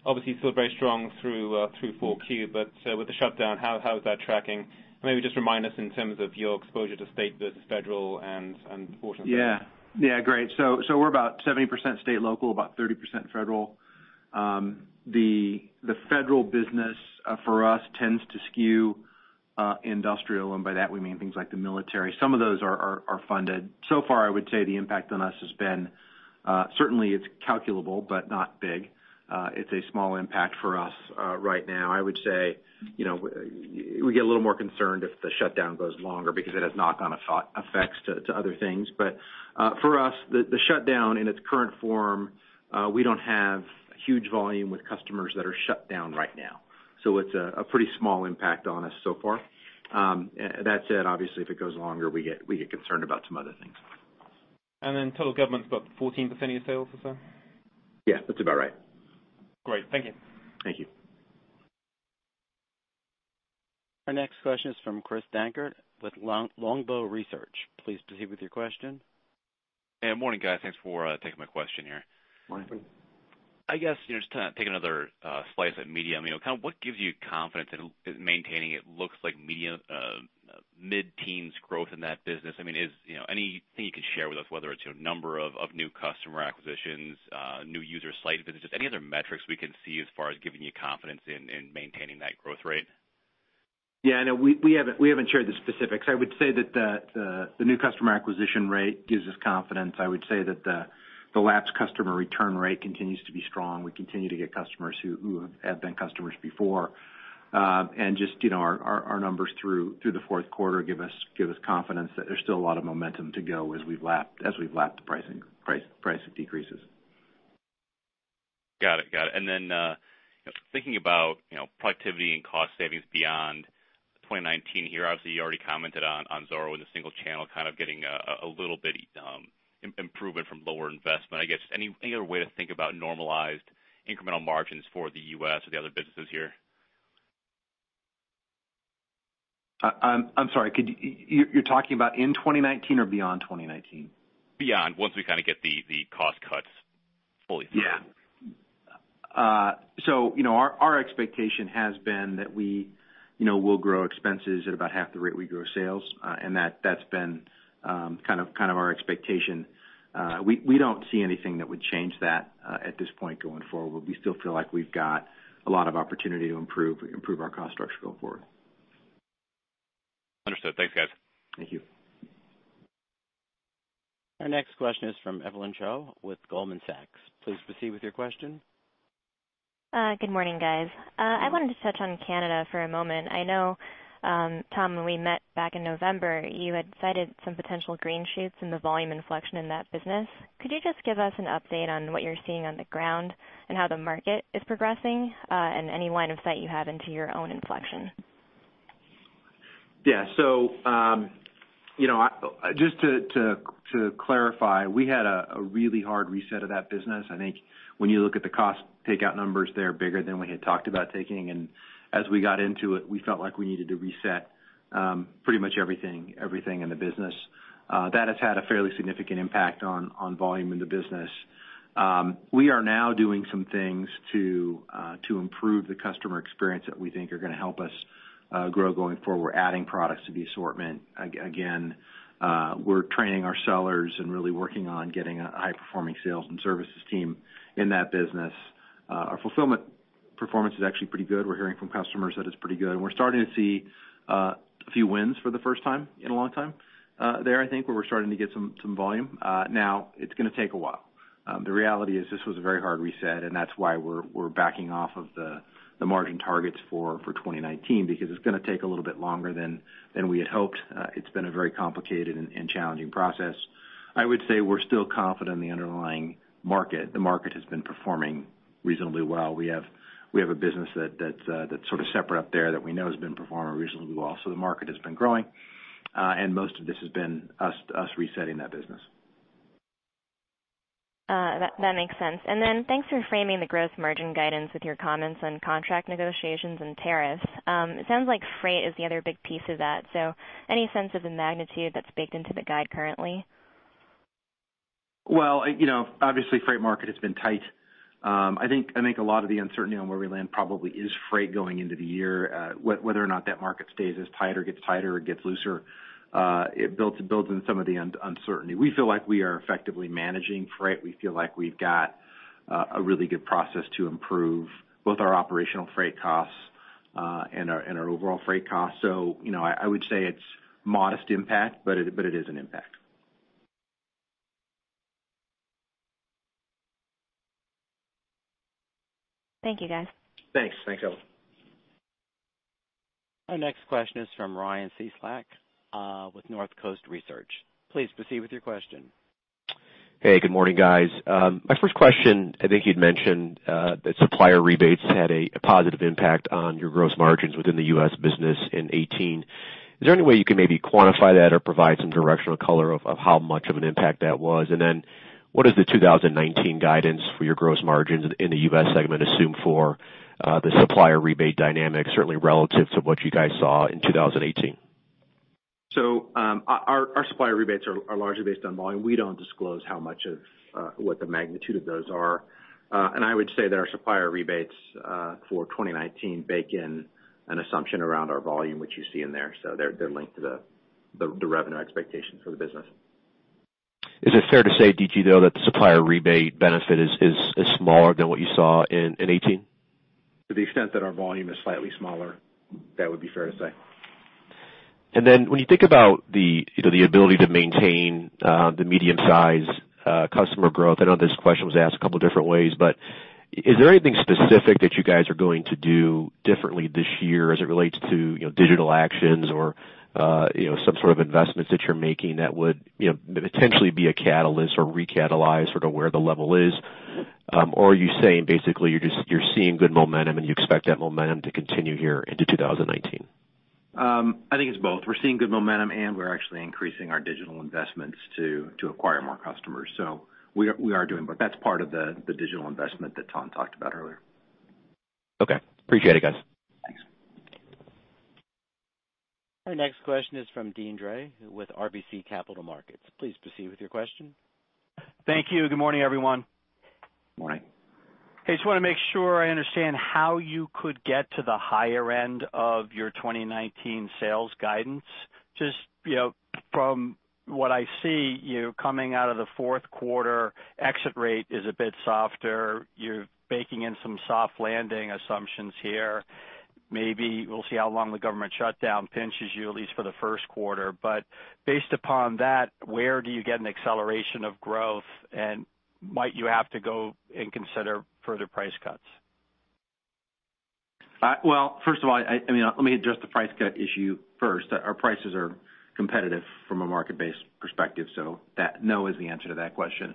Obviously still very strong through Q4, with the shutdown, how is that tracking? Maybe just remind us in terms of your exposure to state versus federal and portion. Yeah. Yeah, great. We're about 70% state local, about 30% federal. The federal business for us tends to skew industrial, and by that we mean things like the military. Some of those are funded. Far, I would say the impact on us has been certainly it's calculable, but not big. It's a small impact for us right now. I would say, you know, we get a little more concerned if the shutdown goes longer because it has knock-on effects to other things. For us, the shutdown in its current form, we don't have huge volume with customers that are shut down right now. It's a pretty small impact on us so far. That said, obviously, if it goes longer, we get concerned about some other things. Total government's about 14% of your sales or so? Yeah, that's about right. Great. Thank you. Thank you. Our next question is from Chris Dankert with Longbow Research. Please proceed with your question. Hey, morning, guys. Thanks for taking my question here. Morning. I guess, you know, just to take another slice at MonotaRO, you know, kind of what gives you confidence in maintaining it looks like MonotaRO, mid-teens growth in that business. I mean, is, you know, anything you can share with us, whether it's, you know, number of new customer acquisitions, new user site visits, just any other metrics we can see as far as giving you confidence in maintaining that growth rate? We haven't shared the specifics. I would say that the new customer acquisition rate gives us confidence. I would say that the lapsed customer return rate continues to be strong. We continue to get customers who have been customers before. You know, our numbers through the fourth quarter give us confidence that there's still a lot of momentum to go as we've lapped the price decreases. Got it. Got it. thinking about, you know, productivity and cost savings beyond 2019 here, obviously you already commented on Zoro with the single channel kind of getting a little bit improvement from lower investment. I guess, any other way to think about normalized incremental margins for the U.S. or the other businesses here? I'm sorry. You're talking about in 2019 or beyond 2019? Beyond, once we kind of get the cost cuts fully through. You know, our expectation has been that we, you know, will grow expenses at about half the rate we grow sales. That's been kind of our expectation. We don't see anything that would change that, at this point going forward. We still feel like we've got a lot of opportunity to improve our cost structure going forward. Understood. Thanks, guys. Thank you. Our next question is from Evelyn Chow with Goldman Sachs. Please proceed with your question. Good morning, guys. I wanted to touch on Canada for a moment. I know, Tom, when we met back in November, you had cited some potential green shoots in the volume inflection in that business. Could you just give us an update on what you're seeing on the ground and how the market is progressing, and any line of sight you have into your own inflection? Yeah. You know, just to clarify, we had a really hard reset of that business. I think when you look at the cost takeout numbers, they are bigger than we had talked about taking, and as we got into it, we felt like we needed to reset pretty much everything in the business. That has had a fairly significant impact on volume in the business. We are now doing some things to improve the customer experience that we think are gonna help us grow going forward. We're adding products to the assortment. Again, we're training our sellers and really working on getting a high-performing sales and services team in that business. Our fulfillment performance is actually pretty good. We're hearing from customers that it's pretty good, and we're starting to see a few wins for the first time in a long time, there, I think, where we're starting to get some volume. Now it's gonna take a while. The reality is this was a very hard reset, and that's why we're backing off of the margin targets for 2019, because it's gonna take a little bit longer than we had hoped. It's been a very complicated and challenging process. I would say we're still confident in the underlying market. The market has been performing reasonably well. We have a business that's sort of separate up there that we know has been performing reasonably well. The market has been growing, and most of this has been us resetting that business. That makes sense. Thanks for framing the gross margin guidance with your comments on contract negotiations and tariffs. It sounds like freight is the other big piece of that. Any sense of the magnitude that's baked into the guide currently? You know, obviously, freight market has been tight. I think a lot of the uncertainty on where we land probably is freight going into the year. Whether or not that market stays as tight or gets tighter or gets looser, it builds in some of the uncertainty. We feel like we are effectively managing freight. We feel like we've got a really good process to improve both our operational freight costs and our overall freight costs. You know, I would say it's modest impact, but it is an impact. Thank you, guys. Thanks. Thanks, Chow. Our next question is from Ryan Cieslak with North Coast Research. Please proceed with your question. Hey, good morning, guys. My first question, I think you'd mentioned that supplier rebates had a positive impact on your gross margins within the U.S. business in 2018. Is there any way you can maybe quantify that or provide some directional color of how much of an impact that was? What is the 2019 guidance for your gross margins in the U.S. segment assume for the supplier rebate dynamic, certainly relative to what you guys saw in 2018? Our supplier rebates are largely based on volume. We don't disclose how much of what the magnitude of those are. I would say that our supplier rebates for 2019 bake in an assumption around our volume, which you see in there. They're linked to the revenue expectations for the business. Is it fair to say, D.G., though, that the supplier rebate benefit is smaller than what you saw in 2018? To the extent that our volume is slightly smaller, that would be fair to say. When you think about the, you know, the ability to maintain the medium-size customer growth, I know this question was asked a couple different ways, is there anything specific that you guys are going to do differently this year as it relates to, you know, digital actions or, you know, some sort of investments that you're making that would, you know, potentially be a catalyst or recatalyze sort of where the level is? Are you saying basically you're just seeing good momentum and you expect that momentum to continue here into 2019? I think it's both. We're seeing good momentum, and we're actually increasing our digital investments to acquire more customers. We are doing both. That's part of the digital investment that Tom talked about earlier. Okay. Appreciate it, guys. Thanks. Our next question is from Deane Dray with RBC Capital Markets. Please proceed with your question. Thank you. Good morning, everyone. Morning. Hey, just wanna make sure I understand how you could get to the higher end of your 2019 sales guidance? You know, from what I see, you know, coming out of the fourth quarter, exit rate is a bit softer. You're baking in some soft landing assumptions here. Maybe we'll see how long the government shutdown pinches you, at least for the first quarter. Based upon that, where do you get an acceleration of growth, and might you have to go and consider further price cuts? Well, first of all, I mean, let me address the price cut issue first. Our prices are competitive from a market-based perspective. No is the answer to that question.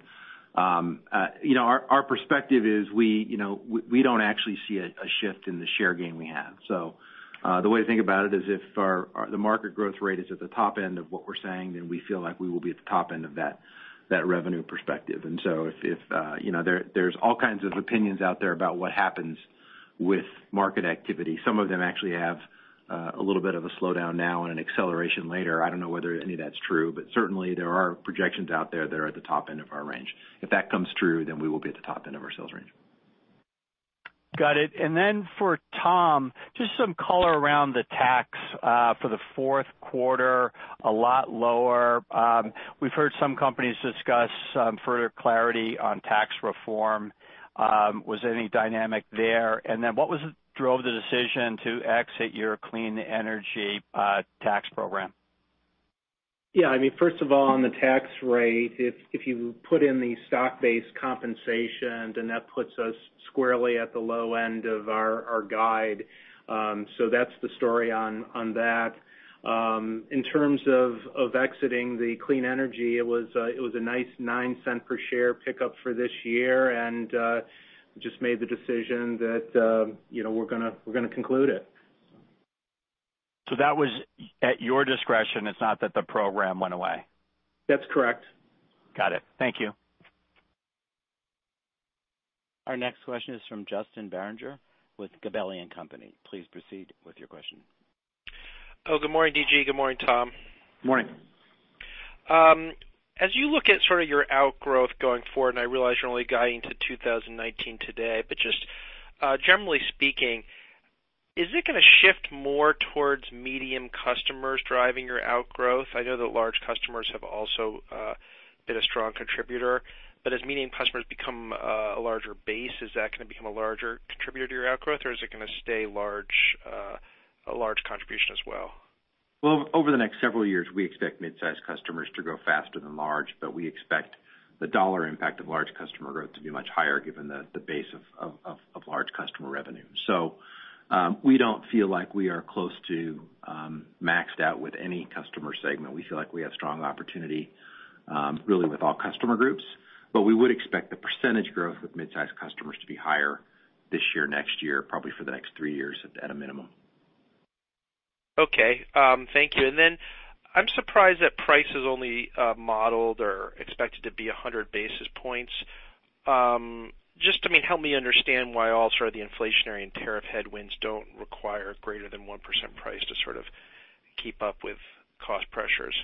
You know, our perspective is we, you know, we don't actually see a shift in the share gain we have. The way to think about it is if our market growth rate is at the top end of what we're saying, then we feel like we will be at the top end of that revenue perspective. If, you know, there's all kinds of opinions out there about what happens with market activity. Some of them actually have a little bit of a slowdown now and an acceleration later. I don't know whether any of that's true, but certainly there are projections out there that are at the top end of our range. If that comes true, then we will be at the top end of our sales range. Got it. For Tom, just some color around the tax for the fourth quarter, a lot lower. We've heard some companies discuss some further clarity on tax reform. Was there any dynamic there? What was it drove the decision to exit your clean energy tax program? Yeah, I mean, first of all, on the tax rate, if you put in the stock-based compensation, then that puts us squarely at the low end of our guide. That's the story on that. In terms of exiting the clean energy, it was a nice $0.09 per share pickup for this year, and just made the decision that, you know, we're gonna conclude it. That was at your discretion. It's not that the program went away. That's correct. Got it. Thank you. Our next question is from Justin Bergner with Gabelli & Company. Please proceed with your question. Oh, good morning, D.G. Good morning, Tom. Morning. As you look at sort of your outgrowth going forward, I realize you're only guiding to 2019 today, but just generally speaking, is it gonna shift more towards medium customers driving your outgrowth? I know that large customers have also been a strong contributor, but as medium customers become a larger base, is that gonna become a larger contributor to your outgrowth, or is it gonna stay large, a large contribution as well? Well, over the next several years, we expect mid-size customers to grow faster than large, but we expect the dollar impact of large customer growth to be much higher given the base of large customer revenue. We don't feel like we are close to maxed out with any customer segment. We feel like we have strong opportunity really with all customer groups, but we would expect the percentage growth with midsize customers to be higher this year, next year, probably for the next three years at a minimum. Okay. Thank you. I'm surprised that price is only modeled or expected to be 100 basis points. Just, I mean, help me understand why all sort of the inflationary and tariff headwinds don't require greater than 1% price to sort of keep up with cost pressures?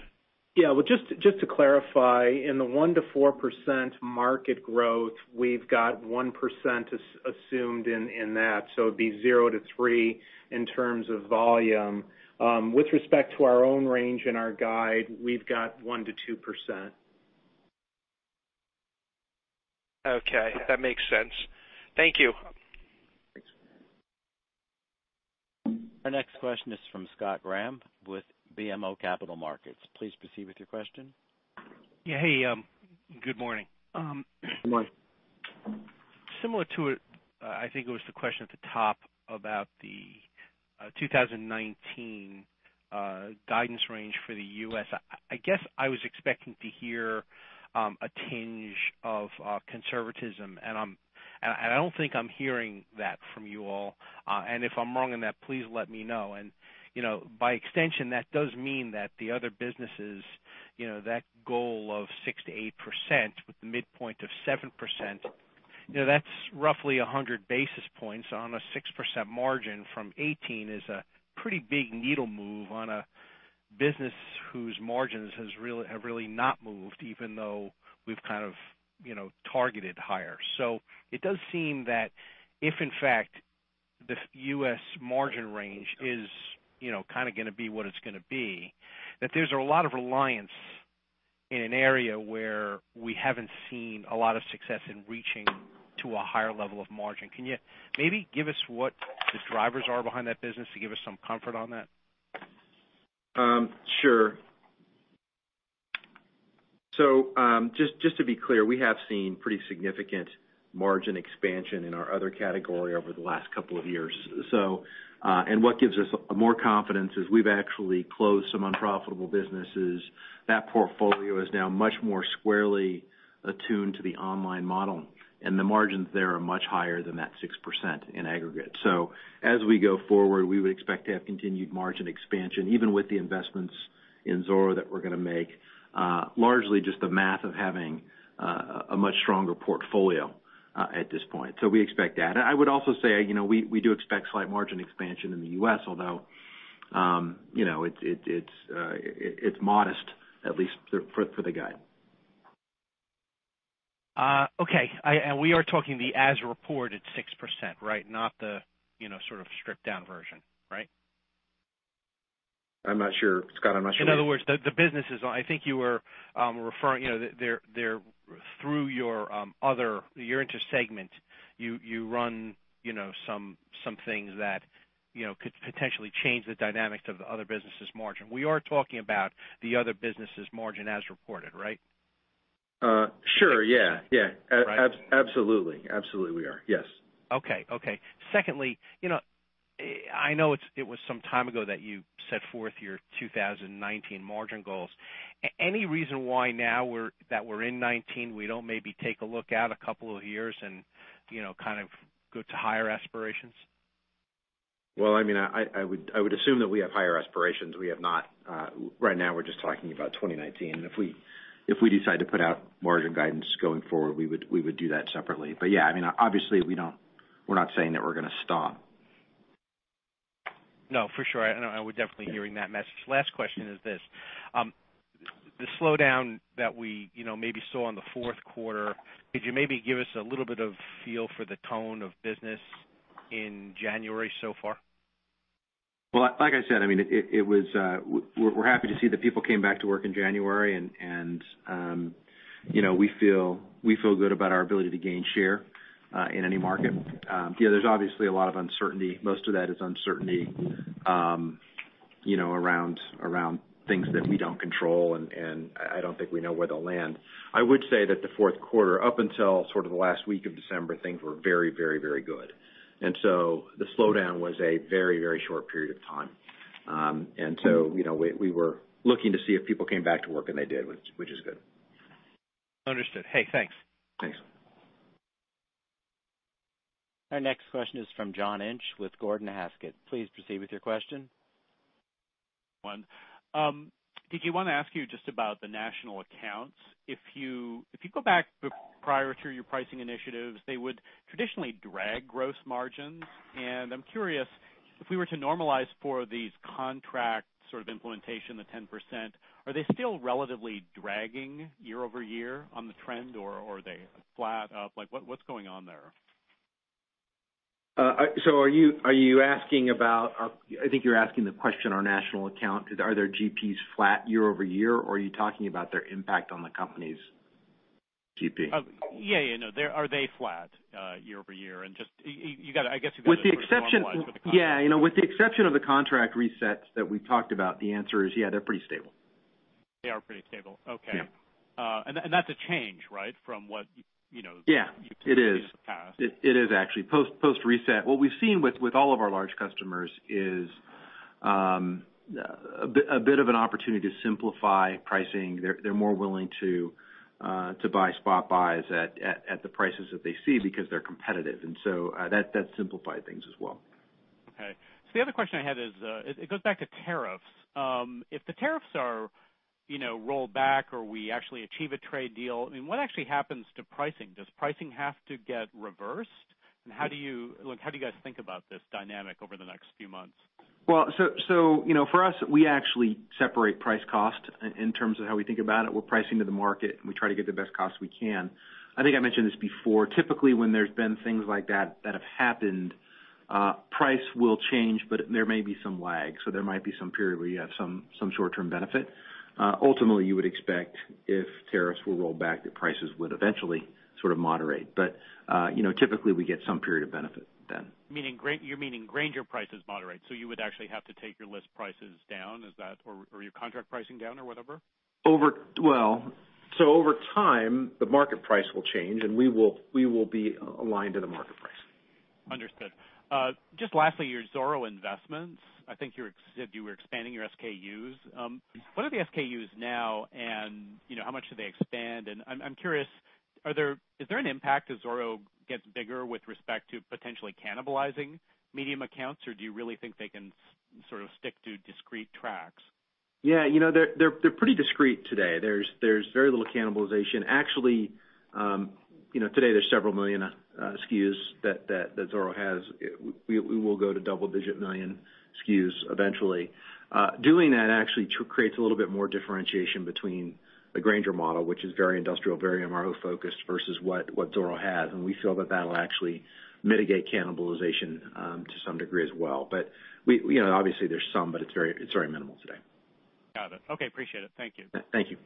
Yeah. Well, just to clarify, in the 1%-4% market growth, we've got 1% assumed in that, it'd be zero to three in terms of volume. With respect to our own range and our guide, we've got 1%-2%. Okay. That makes sense. Thank you. Thanks. Our next question is from Scott Graham with BMO Capital Markets. Please proceed with your question. Yeah. Hey, good morning. Good morning. Similar to it, I think it was the question at the top about the 2019 guidance range for the U.S. I guess I was expecting to hear a tinge of conservatism and I don't think I'm hearing that from you all. If I'm wrong in that, please let me know. You know, by extension, that does mean that the other businesses, you know, that goal of 6% to 8% with the midpoint of 7%, you know, that's roughly 100 basis points on a 6% margin from 2018 is a pretty big needle move on a business whose margins have really not moved, even though we've kind of, you know, targeted higher. It does seem that if in fact the U.S. margin range is, you know, kinda gonna be what it's gonna be, that there's a lot of reliance in an area where we haven't seen a lot of success in reaching to a higher level of margin. Can you maybe give us what the drivers are behind that business to give us some comfort on that? Just to be clear, we have seen pretty significant margin expansion in our other category over the last couple of years. What gives us more confidence is we've actually closed some unprofitable businesses. That portfolio is now much more squarely attuned to the online model, and the margins there are much higher than that 6% in aggregate. As we go forward, we would expect to have continued margin expansion, even with the investments in Zoro that we're gonna make, largely just the math of having a much stronger portfolio at this point. We expect that. I would also say, you know, we do expect slight margin expansion in the U.S., although, you know, it's modest, at least for the guide. Okay. We are talking the as reported 6%, right? Not the, you know, sort of stripped down version, right? I'm not sure, Scott. In other words, the businesses, I think you were referring, you know, they're through your other intersegment, you run, you know, some things that, you know, could potentially change the dynamics of the other businesses margin. We are talking about the other businesses margin as reported, right? sure. Yeah. Absolutely, we are. Yes. Okay. Okay. Secondly, you know, I know it was some time ago that you set forth your 2019 margin goals. Any reason why now that we're in 2019, we don't maybe take a look out a couple of years and, you know, kind of go to higher aspirations? Well, I mean, I would assume that we have higher aspirations. We have not. Right now, we're just talking about 2019. If we decide to put out margin guidance going forward, we would do that separately. Yeah, I mean, obviously, we're not saying that we're gonna stop. No, for sure. We're definitely hearing that message. Last question is this. The slowdown that we, you know, maybe saw in the fourth quarter, could you maybe give us a little bit of feel for the tone of business in January so far? Well, like I said, I mean, it was, we're happy to see that people came back to work in January and, you know, we feel good about our ability to gain share. In any market. Yeah, there's obviously a lot of uncertainty. Most of that is uncertainty, you know, around things that we don't control, and I don't think we know where they'll land. I would say that the fourth quarter, up until sort of the last week of December, things were very good. The slowdown was a very short period of time. You know, we were looking to see if people came back to work, and they did, which is good. Understood. Hey, thanks. Thanks. Our next question is from John Inch with Gordon Haskett. Please proceed with your question. One. DG, wanna ask you just about the national accounts. If you go back prior to your pricing initiatives, they would traditionally drag gross margins. I'm curious, if we were to normalize for these contract sort of implementation, the 10%, are they still relatively dragging year-over-year on the trend, or are they flat, up? Like, what's going on there? Are you asking about, I think you're asking the question on national account, are their GPs flat year-over-year, or are you talking about their impact on the company's GP? Yeah, no. Are they flat year-over-year? Just, I guess you gotta. With the exception. Normalize for the contract. Yeah, you know, with the exception of the contract resets that we've talked about, the answer is, yeah, they're pretty stable. They are pretty stable. Okay. Yeah. That, and that's a change, right, from what you know. Yeah, it is. You've communicated in the past. It is actually. Post-reset, what we've seen with all of our large customers is a bit of an opportunity to simplify pricing. They're more willing to buy spot buys at the prices that they see because they're competitive. That simplified things as well. Okay. The other question I had is, it goes back to tariffs. If the tariffs are, you know, rolled back or we actually achieve a trade deal, I mean, what actually happens to pricing? Does pricing have to get reversed? How do you guys think about this dynamic over the next few months? Well, so, you know, for us, we actually separate price cost in terms of how we think about it. We're pricing to the market, and we try to get the best cost we can. I think I mentioned this before. Typically, when there's been things like that that have happened, price will change, but there may be some lag. There might be some period where you have some short-term benefit. Ultimately, you would expect if tariffs were rolled back, that prices would eventually sort of moderate. You know, typically we get some period of benefit then. Meaning Grainger prices moderate. You would actually have to take your list prices down, is that, or your contract pricing down or whatever? Well, over time, the market price will change, and we will be aligned to the market price. Understood. Just lastly, your Zoro investments. I think you said you were expanding your SKUs. What are the SKUs now, and, you know, how much do they expand? I'm curious, is there an impact as Zoro gets bigger with respect to potentially cannibalizing medium accounts, or do you really think they can sort of stick to discrete tracks? Yeah, you know, they're pretty discrete today. There's very little cannibalization. Actually, you know, today there's several million SKUs that Zoro has. We will go to double-digit million SKUs eventually. Doing that actually creates a little bit more differentiation between the Grainger model, which is very industrial, very MRO-focused, versus what Zoro has. And we feel that that'll actually mitigate cannibalization to some degree as well. But we, you know, obviously there's some, but it's very minimal today. Got it. Okay, appreciate it. Thank you. Thank you.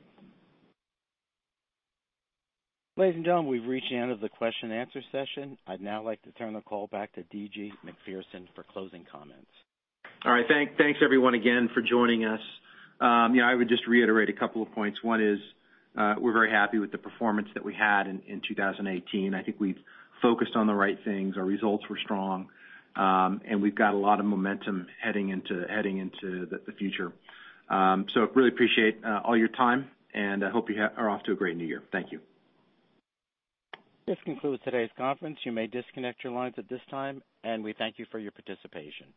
Ladies and gentlemen, we've reached the end of the question-and-answer session. I'd now like to turn the call back to D.G. Macpherson for closing comments. All right. Thanks everyone again for joining us. You know, I would just reiterate a couple of points. One is, we're very happy with the performance that we had in 2018. I think we've focused on the right things. Our results were strong. We've got a lot of momentum heading into the future. Really appreciate all your time, and I hope you are off to a great New Year. Thank you. This concludes today's conference. You may disconnect your lines at this time, and we thank you for your participation.